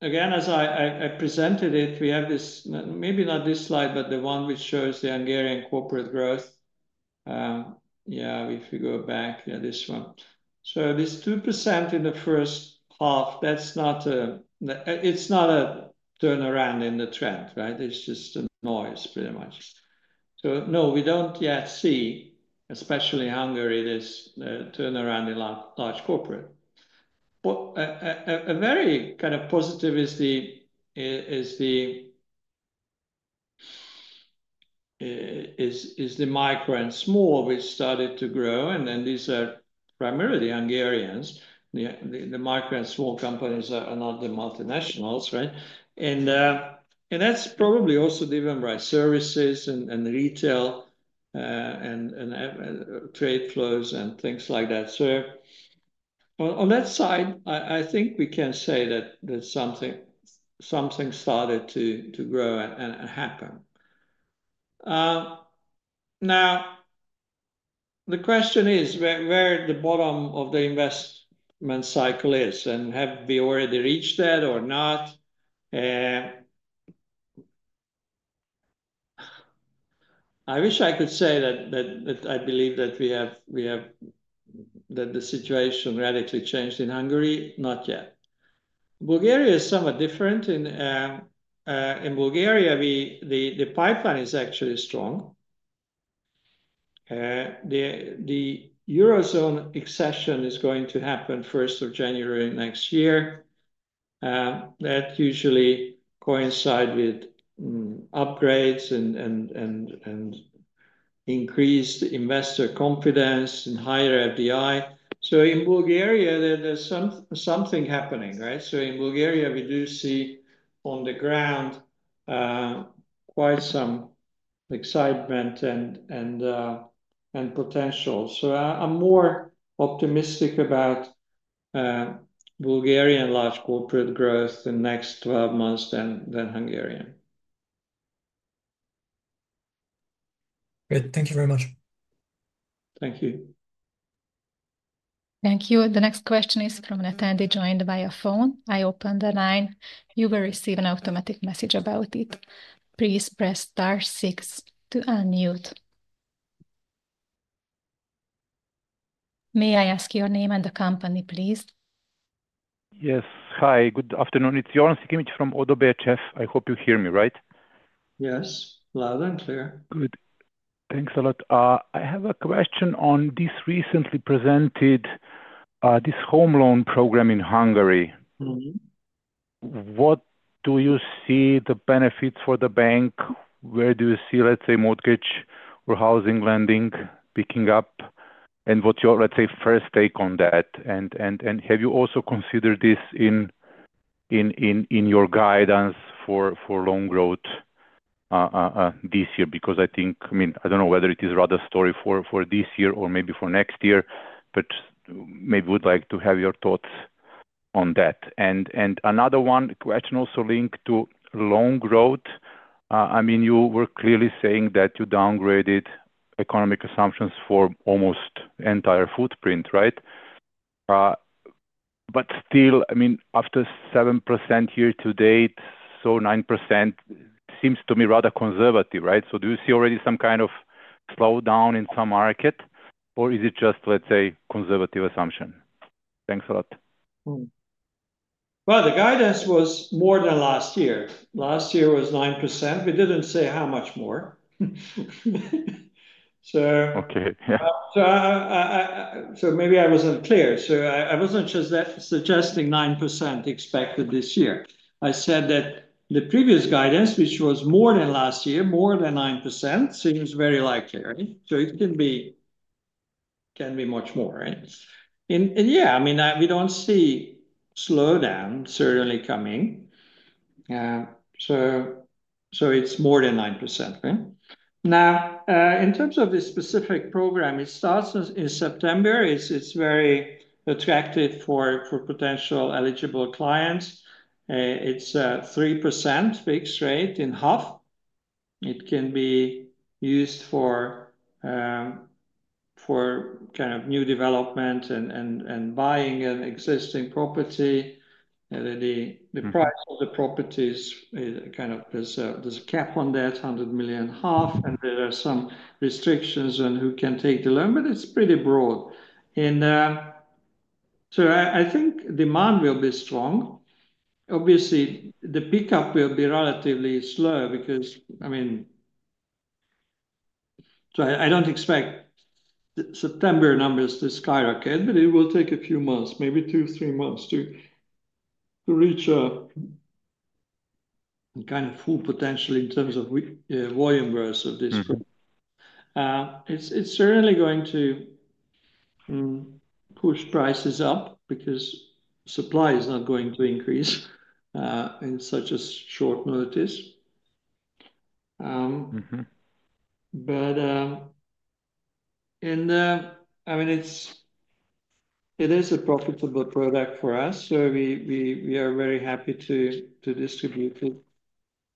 again as I presented it, we have this, maybe not this slide but the one which shows the Hungarian corporate growth. If you go back, this 1%, so this 2% in the first half, that's not a turnaround in the trend. It's just noise pretty much. We don't yet see, especially Hungary, this turnaround in large corporate. A very kind of positivity is the micro and small which started to grow, and then these are primarily Hungarians who, yeah, the micro and small companies are not the multinationals. That's probably also driven by services and retail and trade flows and things like that. On that side, I think we can say that something started to grow and happen. Now the question is where the bottom of the investment cycle is and have we already reached that or not? I wish I could say that I believe that the situation radically changed in Hungary. Not yet. Bulgaria is somewhat different. In Bulgaria, the pipeline is actually strong. The Eurozone accession is going to happen first of January next year. That usually coincides with upgrades and increased investor confidence and higher FDI. In Bulgaria, there's something happening. In Bulgaria, we do see on the ground quite some excitement and potential. I'm more optimistic about Bulgarian large corporate growth in next 12 months than Hungarian.
Thank you very much.
Thank you.
Thank you. The next question is from an attendee joined by a phone. I open the line, you will receive an autosmatic message about it. Please press star six to unmute. May I ask your name and the company please?
Yes, hi, good afternoon, it's Jovan Sikimic from ODDO BHF. I hope you hear me right.
Yes, loud and clear.
Good, thanks a lot. I have a question on this. Recently presented this home loan program in Hungary. What do you see the benefits for the bank? Where do you see, let's say, mortgage or housing lending picking up? What's your, let's say, first take on that? Have you also considered this in your guidance for loan growth this year? I think, I mean, I don't know whether it is rather story for this year or maybe for next year, but maybe would like to have your thoughts on that. Another one, question also linked to loan growth. You were clearly saying that you downgraded economic assumptions for almost entire footprint. Right. Still, after 7% year to date, 9% seems to me rather conservative. Right. Do you see already some kind of slowdown in some market or is it just, let's say, conservative assumption? Thanks a lot.
The guidance was more than last year. Last year was 9%. We didn't say how much more.
Okay.
Maybe I wasn't clear. I wasn't suggesting 9% expected this year. I said that the previous guidance, which was more than last year, more than 9%, seems very likely. Right. It can be much more. I mean, we don't see slowdown certainly coming. It's more than 9% now in terms of this specific program. It starts in September. It's very attractive for potential eligible clients. It's 3% fixed rate in HUF. It can be used for kind of new development and buying an existing property. The price of the properties, there's a cap on that, 100 million. There are some restrictions on who can take the loan, but it's pretty broad. I think demand will be strong. Obviously, the pickup will be relatively slow because I don't expect September numbers to skyrocket, but it will take a few months, maybe two, three months to reach a kind of full potential in terms of volume growth of this. It's certainly going to push prices up because supply is not going to increase in such a short notice. It is a profitable product for us, so we are very happy to distribute it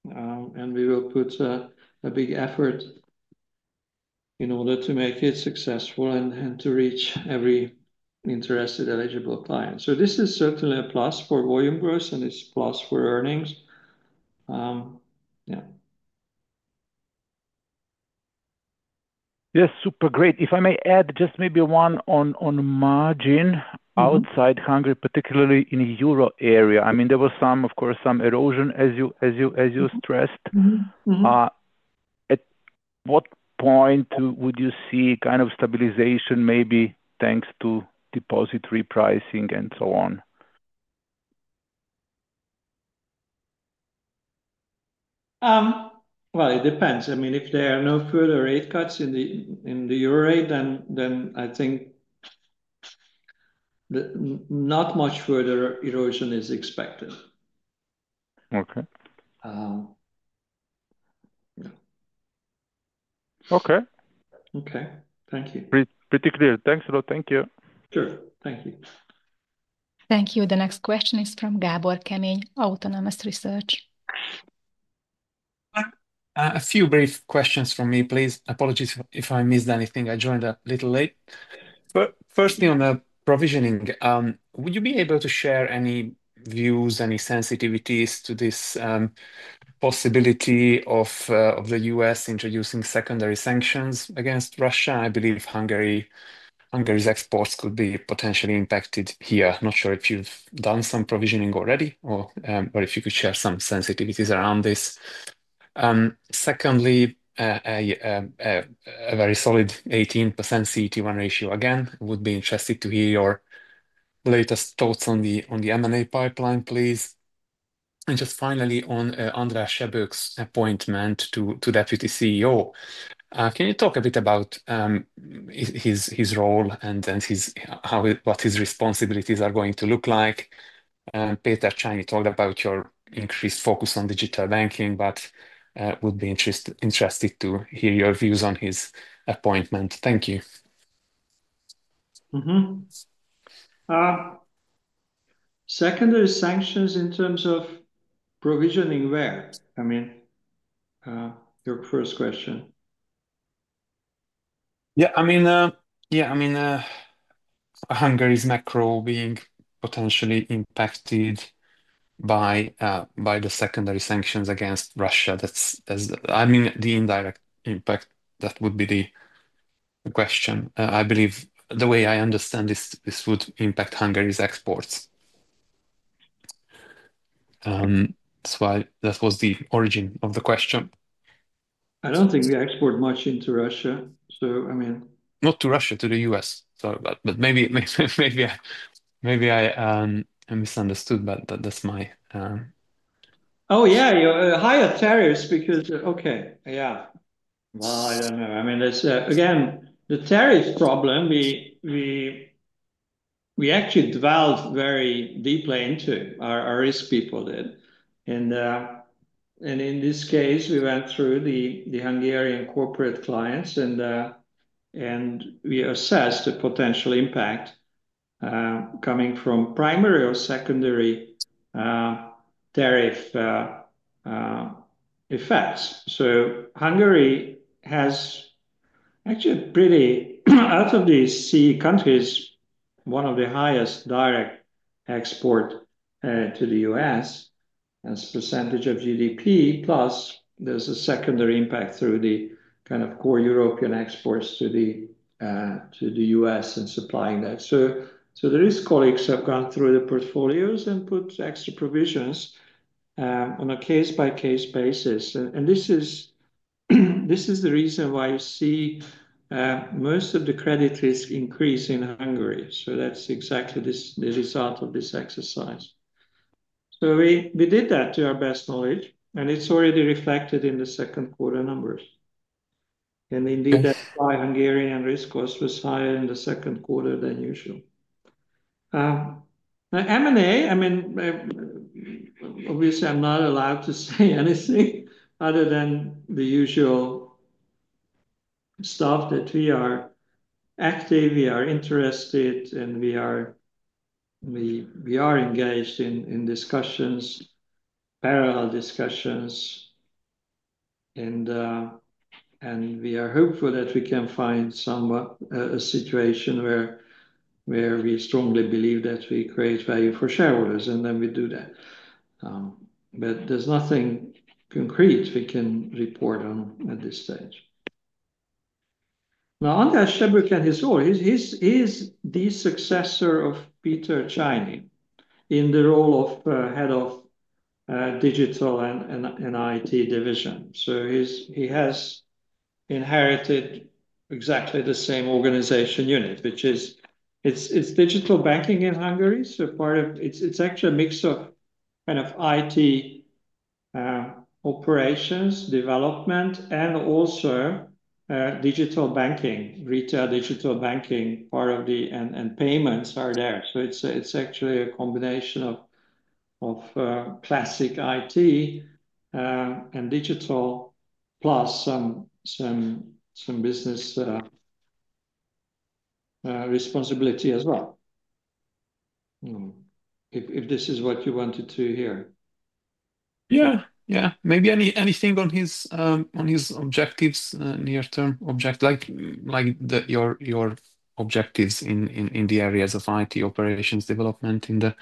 and we will put a big effort in order to make it successful and to reach every interested eligible client. This is certainly a plus for volume growth and it's a plus for earnings. Yeah.
Yes, super. Great. If I may add just maybe one on margin outside Hungary, particularly in euro area. I mean there was some, of course, some erosion as you stressed. At what point would you see kind of stabilization maybe thanks to deposit repricing and so on?
It depends. If there are no further rate cuts in the euro, then I think not much further erosion is expected.
Okay.
Okay.
Okay, thank you. Pretty clear. Thanks a lot. Thank you.
Sure. Thank you.
Thank you. The next question is from Gabor Kemeny, Autonomous Research.
A few brief questions for me, please. Apologies if I missed anything. I joined a little late. Firstly, on provisioning, would you be able to share any views, any sensitivities to this possibility of the U.S. introducing secondary sanctions against Russia? I believe Hungary's exports could be potentially impacted here. Not sure if you've done some provisioning already or if you could share some sensitivities around this. Secondly, a very solid 18% capital adequacy ratio. I would be interested to hear your latest thoughts on the M&A pipeline, please. Finally, on András Sebők's appointment to Deputy CEO, can you talk a bit about his role and what his responsibilities are going to look like? Péter Csányi talked about your increased focus on digital banking. I would be interested to hear your views on his appointment. Thank you.
Secondary sanctions in terms of provisioning, where, I mean, your first question?
I mean Hungary's macro being potentially impacted by the secondary sanctions against Russia. That's, I mean, the indirect impact. That would be the question. I believe the way I understand this would impact Hungary's exports. That's why that was the origin of the question.
I don't think we export much into Russia, so I mean.
Not to Russia. To the U.S., sorry. Maybe I misunderstood, but that's my.
Yeah, there's again the tariff problem. We actually dwelled very deeply into it, our risk people did, and in this case we went through the Hungarian corporate clients and assessed the potential impact coming from primary or secondary tariff effects. Hungary has actually, out of these CEE countries, one of the highest direct export to the U.S. as a percentage of GDP, plus there's a secondary impact through the kind of core European exports to the U.S. and supplying that. The risk colleagues have gone through the portfolios and put extra provisions on a case-by-case basis. This is the reason why you see most of the credit risk increase in Hungary. That's exactly the result of this exercise. We did that to our best knowledge and it's already reflected in the second quarter numbers. Indeed, that's why Hungarian risk cost was higher in the second quarter than usual. M&A, I mean obviously I'm not allowed to say anything other than the usual stuff that we are active, we are interested, and we are engaged in discussions, parallel discussions, and we are hopeful that we can find somewhat a situation where we strongly believe that we create value for shareholders and then we do that. There's nothing concrete we can report on at this stage. Now, under András Sebők and his all, he's the successor of Péter Csányi in the role of Head of Digital and IT division. He has inherited exactly the same organization unit, which is digital banking in Hungary. Part of it's actually a mix of IT operations, development, and also digital banking, retail digital banking, part of the payments are there. It's actually a combination of classic IT and digital plus some business responsibility as well. If this is what you wanted to hear.
Yeah, maybe anything on his objectives, near-term objectives like your objectives in the areas of IT operations development in the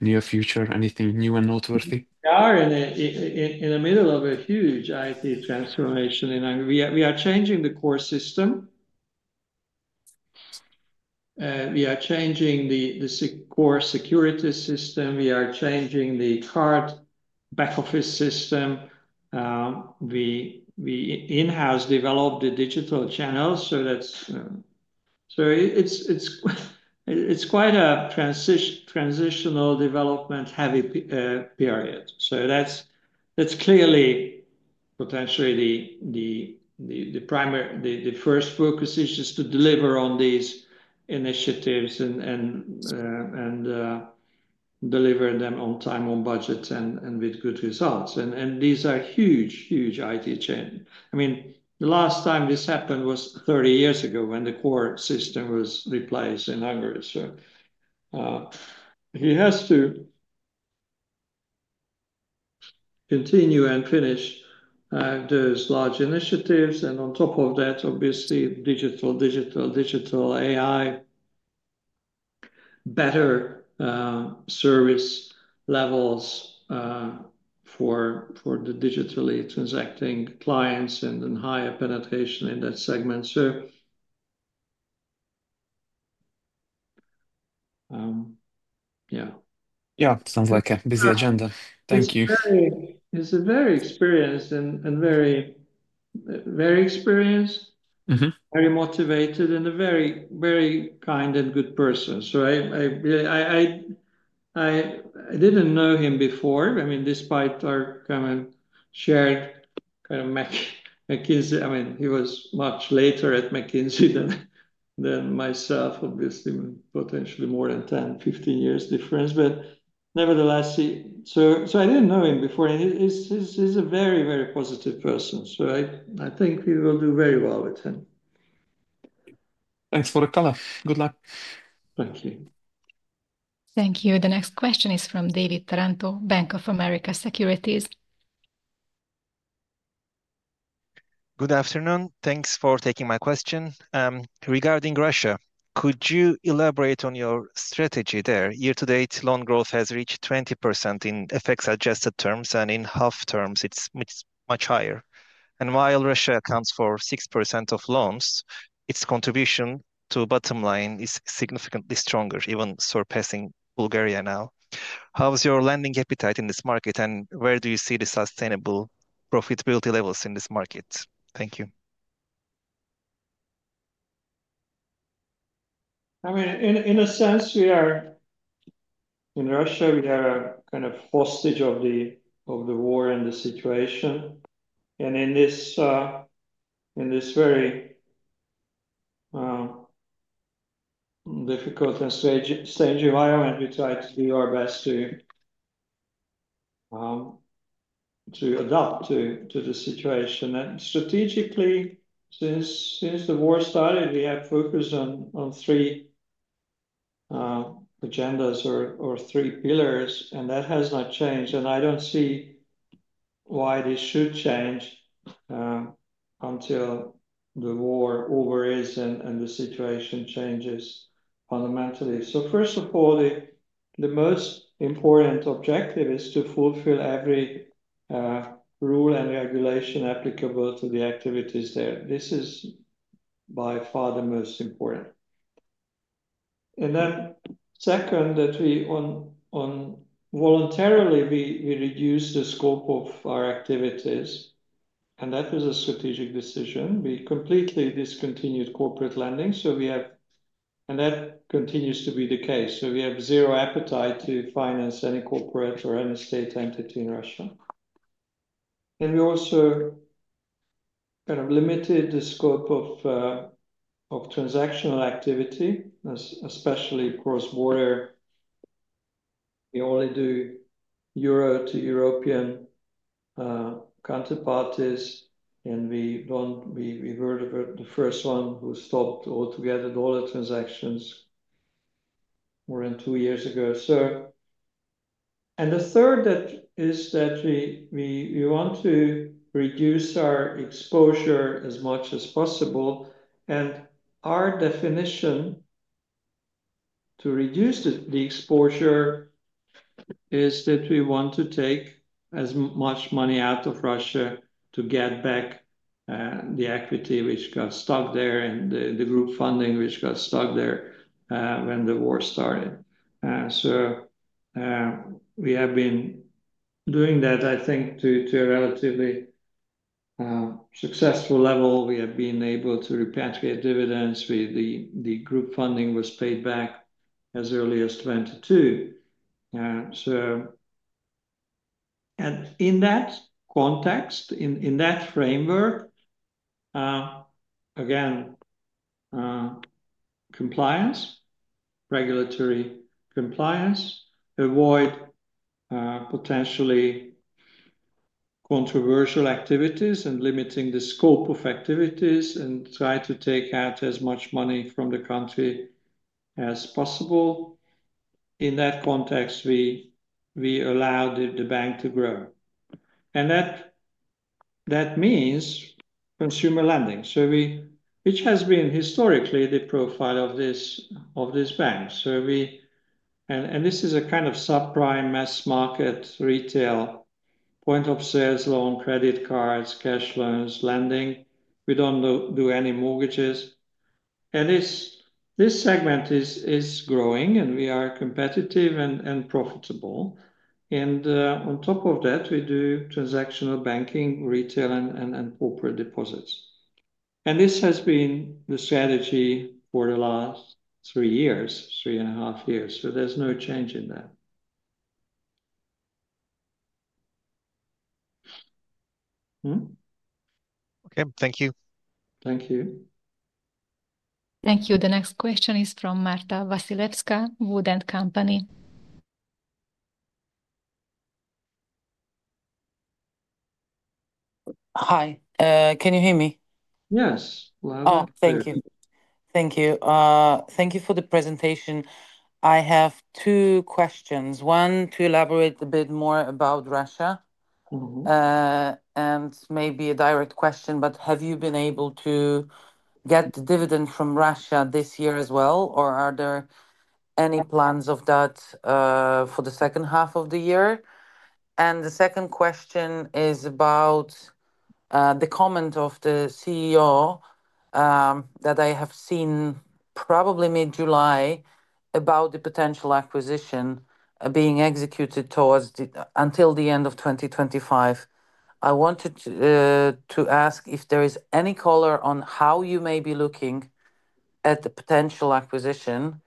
near future. Anything new and noteworthy.
We are in the middle of a huge IT transformation in anger. We are changing the core system, we are changing the security core security system. We are changing the card back office system. We in-house developed the digital channels. It's quite a transitional, development-heavy period. That's clearly potentially the primary. The first focus is just to deliver on these initiatives and deliver them on time, on budget, and with good results. These are huge, huge IT changes. The last time this happened was 30 years ago when the core system was replaced in Hungary. He has to continue and finish those large initiatives. On top of that, obviously digital, digital, digital, AI, better service levels for the digitally transacting clients, and higher penetration in that segment.
Yeah, yeah, sounds like a busy agenda. Thank you.
It's a very experienced, very motivated, and a very, very kind and good person. I didn't know him before, despite our common shared kind of McKinsey. He was much later at McKinsey than myself, obviously potentially more than 10 or 15 years difference, but nevertheless, I didn't know him before and he's a very, very positive person. I think we will do very well with him.
Thanks for the color. Good luck.
Thank you.
Thank you. The next question is from David Taranto, Bank of America Securities.
Good afternoon. Thanks for taking my question regarding Russia. Could you elaborate on your strategy there? Year to date loan growth has reached 20% in FX adjusted terms, and in half terms it's much higher. While Russia accounts for 6% of loans, its contribution to bottom line is significantly stronger, even surpassing Bulgaria. How's your lending appetite in this market, and where do you see the sustainable profitability levels in this market? Thank you.
I mean in a sense we are in Russia, we are kind of hostage of the war and the situation, and in this very difficult and strange environment we try to do our best to adapt to the situation. Strategically, since the war started, we have focused on three agendas or three pillars, and that has not changed. I don't see why this should change until the war is over and the situation changes fundamentally. First of all, the most important objective is to fulfill every rule and regulation applicable to the activities there. This is by far the most important. Second, we voluntarily reduced the scope of our activities, and that was a strategic decision. We completely discontinued corporate lending, so we have, and that continues to be the case. We have zero appetite to finance any corporate or any state entity in Russia. We also limited the scope of transactional activity, especially cross-border. We only do euro to European counterparties. We were the first one who stopped altogether dollar transactions more than two years ago. The third is that we want to reduce our exposure as much as possible. Our definition to reduce the exposure is that we want to take as much money out of Russia to get back the equity which got stuck there and the group funding which got stuck there when the war started. We have been doing that, I think, to a relatively successful level. We have been able to repatriate dividends. The group funding was paid back as early as 2022. In that context, in that framework, again, compliance, regulatory compliance, avoid potentially controversial activities, and limiting the scope of activities, and try to take out as much money from the country as possible. In that context, we allow the bank to grow, and that means consumer lending, which has been historically the profile of this bank. This is a kind of subprime, mass market, retail, point of sales loan, credit cards, cash loans, lending. We don't do any mortgages. This segment is growing, and we are competitive and profitable. On top of that, we do transactional banking, retail and corporate deposits. This has been the strategy for the last three years, three and a half years. There's no change in that.
Okay, thank you.
Thank you.
Thank you. The next question is from Marta Wasilewska, WOOD & Company.
Hi, can you hear me?
Yes. Lound and clear.
Thank you. Thank you for the presentation. I have two questions. One, to elaborate a bit more about Russia and maybe a direct question, have you been able to get the dividend from Russia this year as well, or are there any plans of that for the second half of the year? The second question is about the comment of the CEO that I have seen probably mid July about the potential acquisition being executed until the end of 2025. I wanted to ask if there is any color on how you may be looking at the potential acquisition.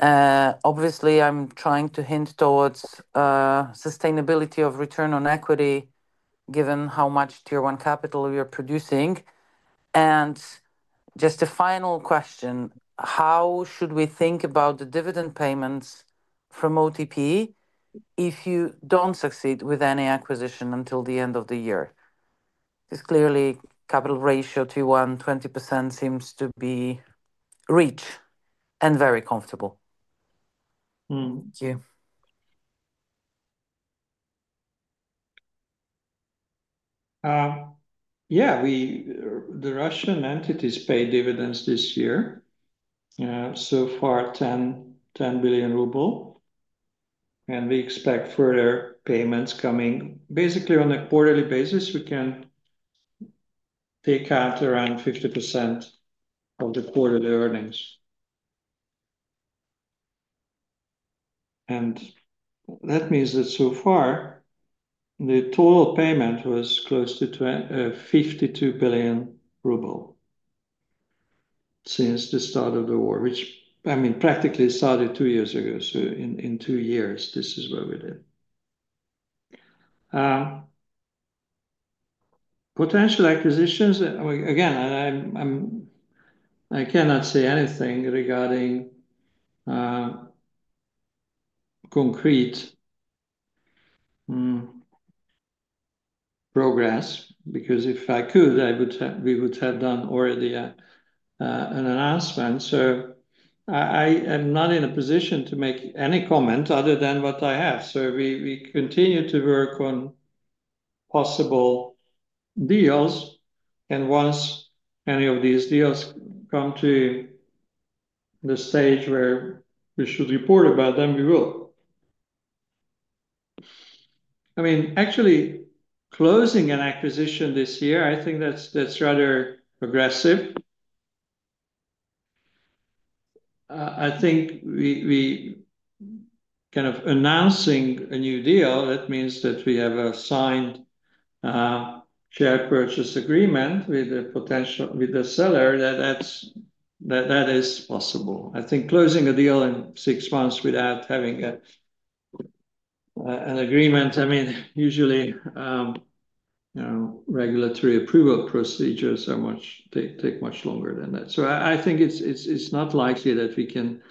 Obviously, I'm trying to hint towards sustainability of return on equity given how much Tier 1 capital we are producing. Just a final question, how should we think about the dividend payments from OTP if you don't succeed with any acquisition until the end of the year? This capital adequacy ratio, Tier 1, 20%, seems to be rich and very comfortable.
Yeah, the Russian entities paid dividends this year so far, 10 billion ruble. We expect further payments coming basically on a quarterly basis. We can take out around 50% of the quarterly earnings. That means that so far the total payment was close to 52 billion ruble since the start of the war, which practically started two years ago. In two years this is what we did. Potential acquisitions, I cannot say anything regarding concrete progress because if I could, we would have already done an announcement. I am not in a position to make any comment other than what I have. We continue to work on possible deals and once any of these deals come to the stage where we should report about them, we will. Actually closing an acquisition this year, I think that's rather aggressive. Announcing a new deal means that we have a signed share purchase agreement with the seller, that is possible. Closing a deal in six months without having an agreement, usually regulatory approval procedures take much longer than that. I think it's not likely that we can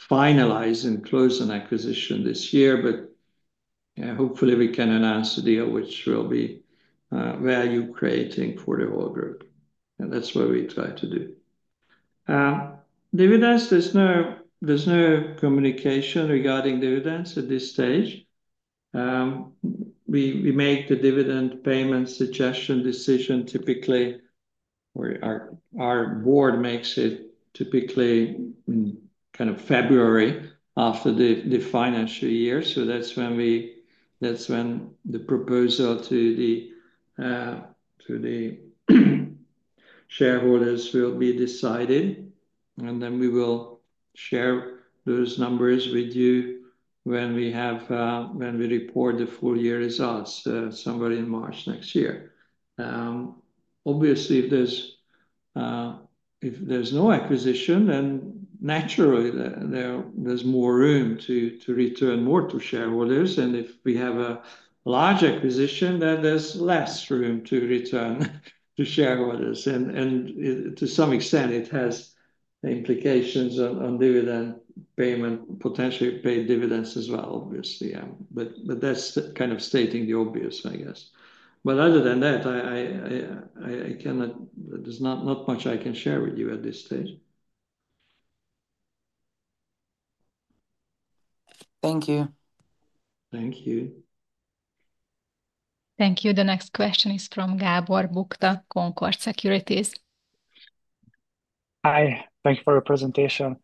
finalize and close an acquisition this year, but hopefully we can announce a deal which will be value creating for the whole group. That's what we try to do. Dividends, there's no communication regarding dividends at this stage. We make the dividend payment suggestion decision typically where our board makes it, typically in February after the financial year. That's when the proposal to the shareholders will be decided and then we will share those numbers with you when we report the full year results somewhere in March next year. Obviously, if there's no acquisition then naturally there's more room to return more to shareholders. If we have a large acquisition then there's less room to return to shareholders. To some extent it has implications on dividend payment, potentially paid dividends as well, obviously. That's kind of stating the obvious I guess. Other than that there's not much I can share with you at this stage.
Thank you.
Thank you.
Thank you. The next question is from Gábor Bukta, Concorde Securities.
Hi, thank you for your presentation.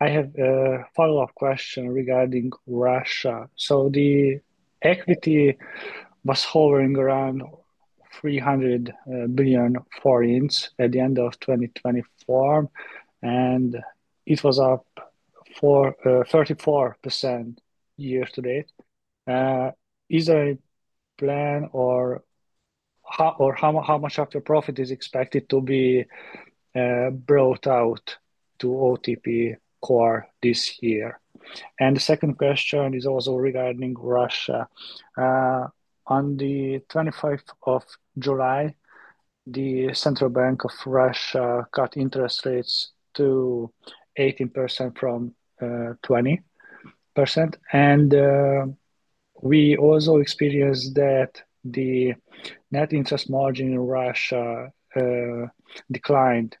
I have a follow-up question regarding Russia. The equity was hovering around 300 billion forints at the end of 2024 and it was up 34% year to date. Is there a plan or how much after profit is expected to be brought out to OTP core this year? The second question is also regarding Russia. On the 25th of July, the Central Bank of Russia cut interest rates to 18% from 20%. We also experienced that the net interest margin in Russia declined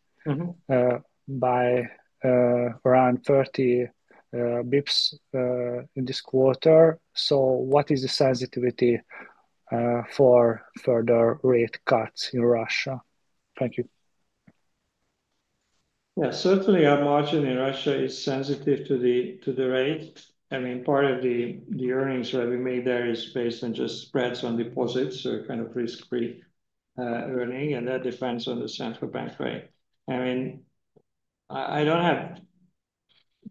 by around 30 bps in this quarter. What is the sensitivity for further rate cuts in Russia? Thank you.
Yeah, certainly our margin in Russia is sensitive to the rate. Part of the earnings revenue made there is based on just spreads on deposits or kind of risk-free earning, and that depends on the central bank rate. I don't have, off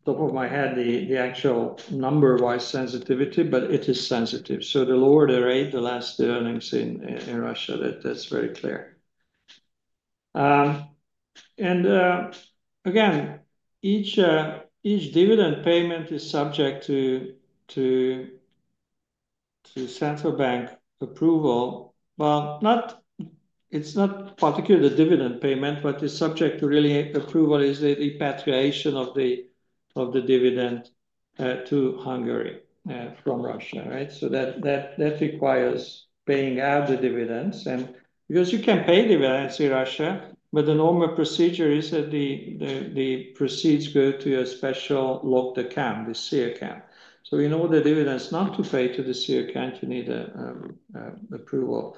the top of my head, the actual number-wise sensitivity, but it is sensitive. The lower the rate, the less the earnings in Russia. That's very clear. Each dividend payment is subject to central bank approval. It's not particularly the dividend payment; what is subject to approval is the repatriation of the dividend to Hungary from Russia. That requires paying out the dividends, and because you can pay dividends in Russia, the normal procedure is that the proceeds go to a special lock, the C account. In order to do it, that's not to fade to the C account, you need approval.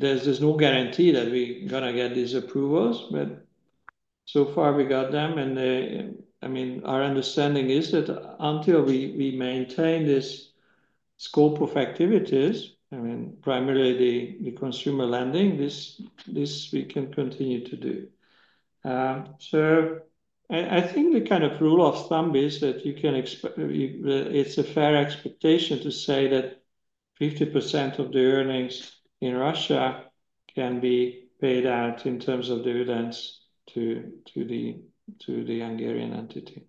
There's no guarantee that we are going to get these approvals, but so far we got them. Our understanding is that until we maintain this scope of activities, primarily the consumer lending, this we can continue to do. I think the kind of rule of thumb is that it's a fair expectation to say that 50% of the earnings in Russia can be paid out in terms of dividends to the Hungarian entity.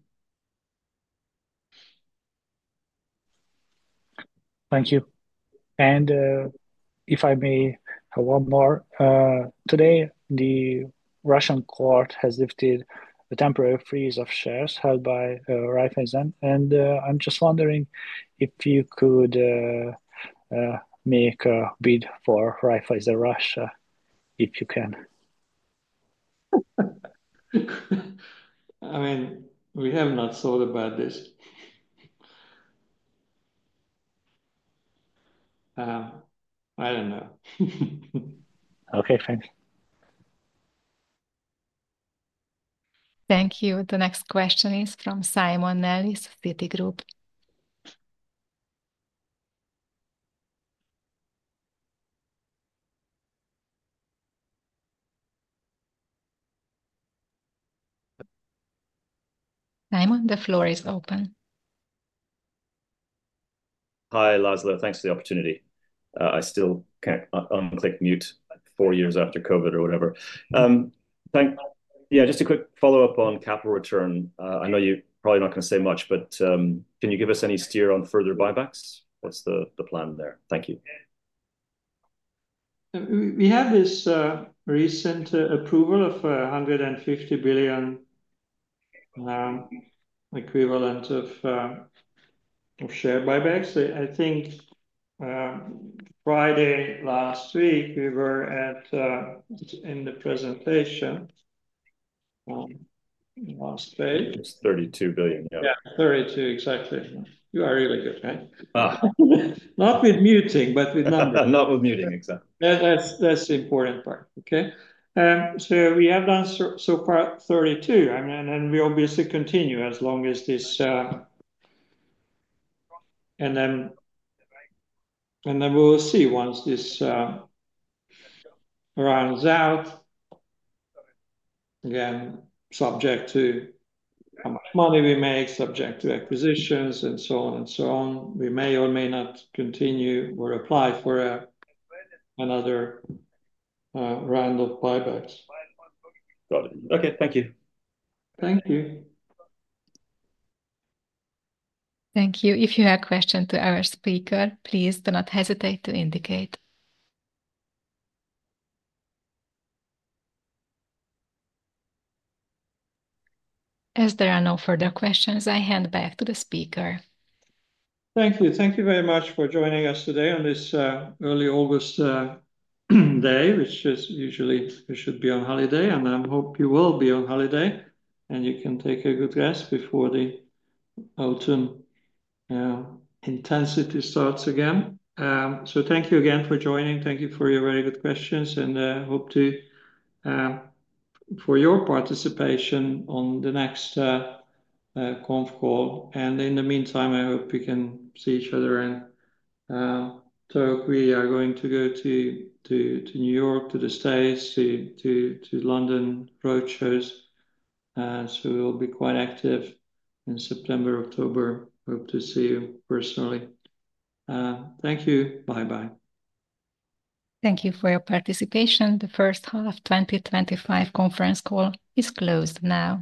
Thank you. If I may have one more. Today the Russian court has lifted the temporary freeze of shares held by Raiffeisen. I'm just wondering if you could make a bid for Raiffeisen Russia. If you can.
We have not thought about this. I don't know.
Okay, thanks.
Thank you. The next question is from Simon Nellis of Citigroup. The floor is open.
Hi László. Thanks for the opportunity. I still can't. I don't take mute four years after COVID or whatever. Thank you. Just a quick follow up on capital return. I know you probably not going to say much, but can you give us any steer on further buybacks? What's the plan there? Thank you.
We have this recent approval of 150 billion equivalent of share buybacks. I think Friday last week we were at, in the presentation, one last page.
32 billion.
Yeah, yeah, 32 billion exactly. You are really good. Right?
Yeah.
Not with muting, but with.
Not with muting. Exactly.
That's the important part. Okay, we have done so far 32 billion. I mean, we obviously continue as long as this, and then we'll see once this rounds out, again subject to money we make, subject to acquisitions, and so on. We may or may not continue or apply for another round of buybacks.
Got it. Okay, thank you.
Thank you.
Thank you. If you have a question to our speaker, please do not hesitate to indicate. As there are no further questions. I hand back to the speaker.
Thank you. Thank you very much for joining us today on this early August day, which is usually you should be on holiday, and I hope you will be on holiday and you can take a good rest before the autumn intensity starts again. Thank you again for joining. Thank you for your very good questions and hope for your participation on the next conf call. In the meantime, I hope you can see each other and talk. We are going to New York, to the States, to London Road Church, so we'll be quite active in September and October. Hope to see you personally. Thank you. Bye bye.
Thank you for your participation. The first half 2025 conference call is closed now.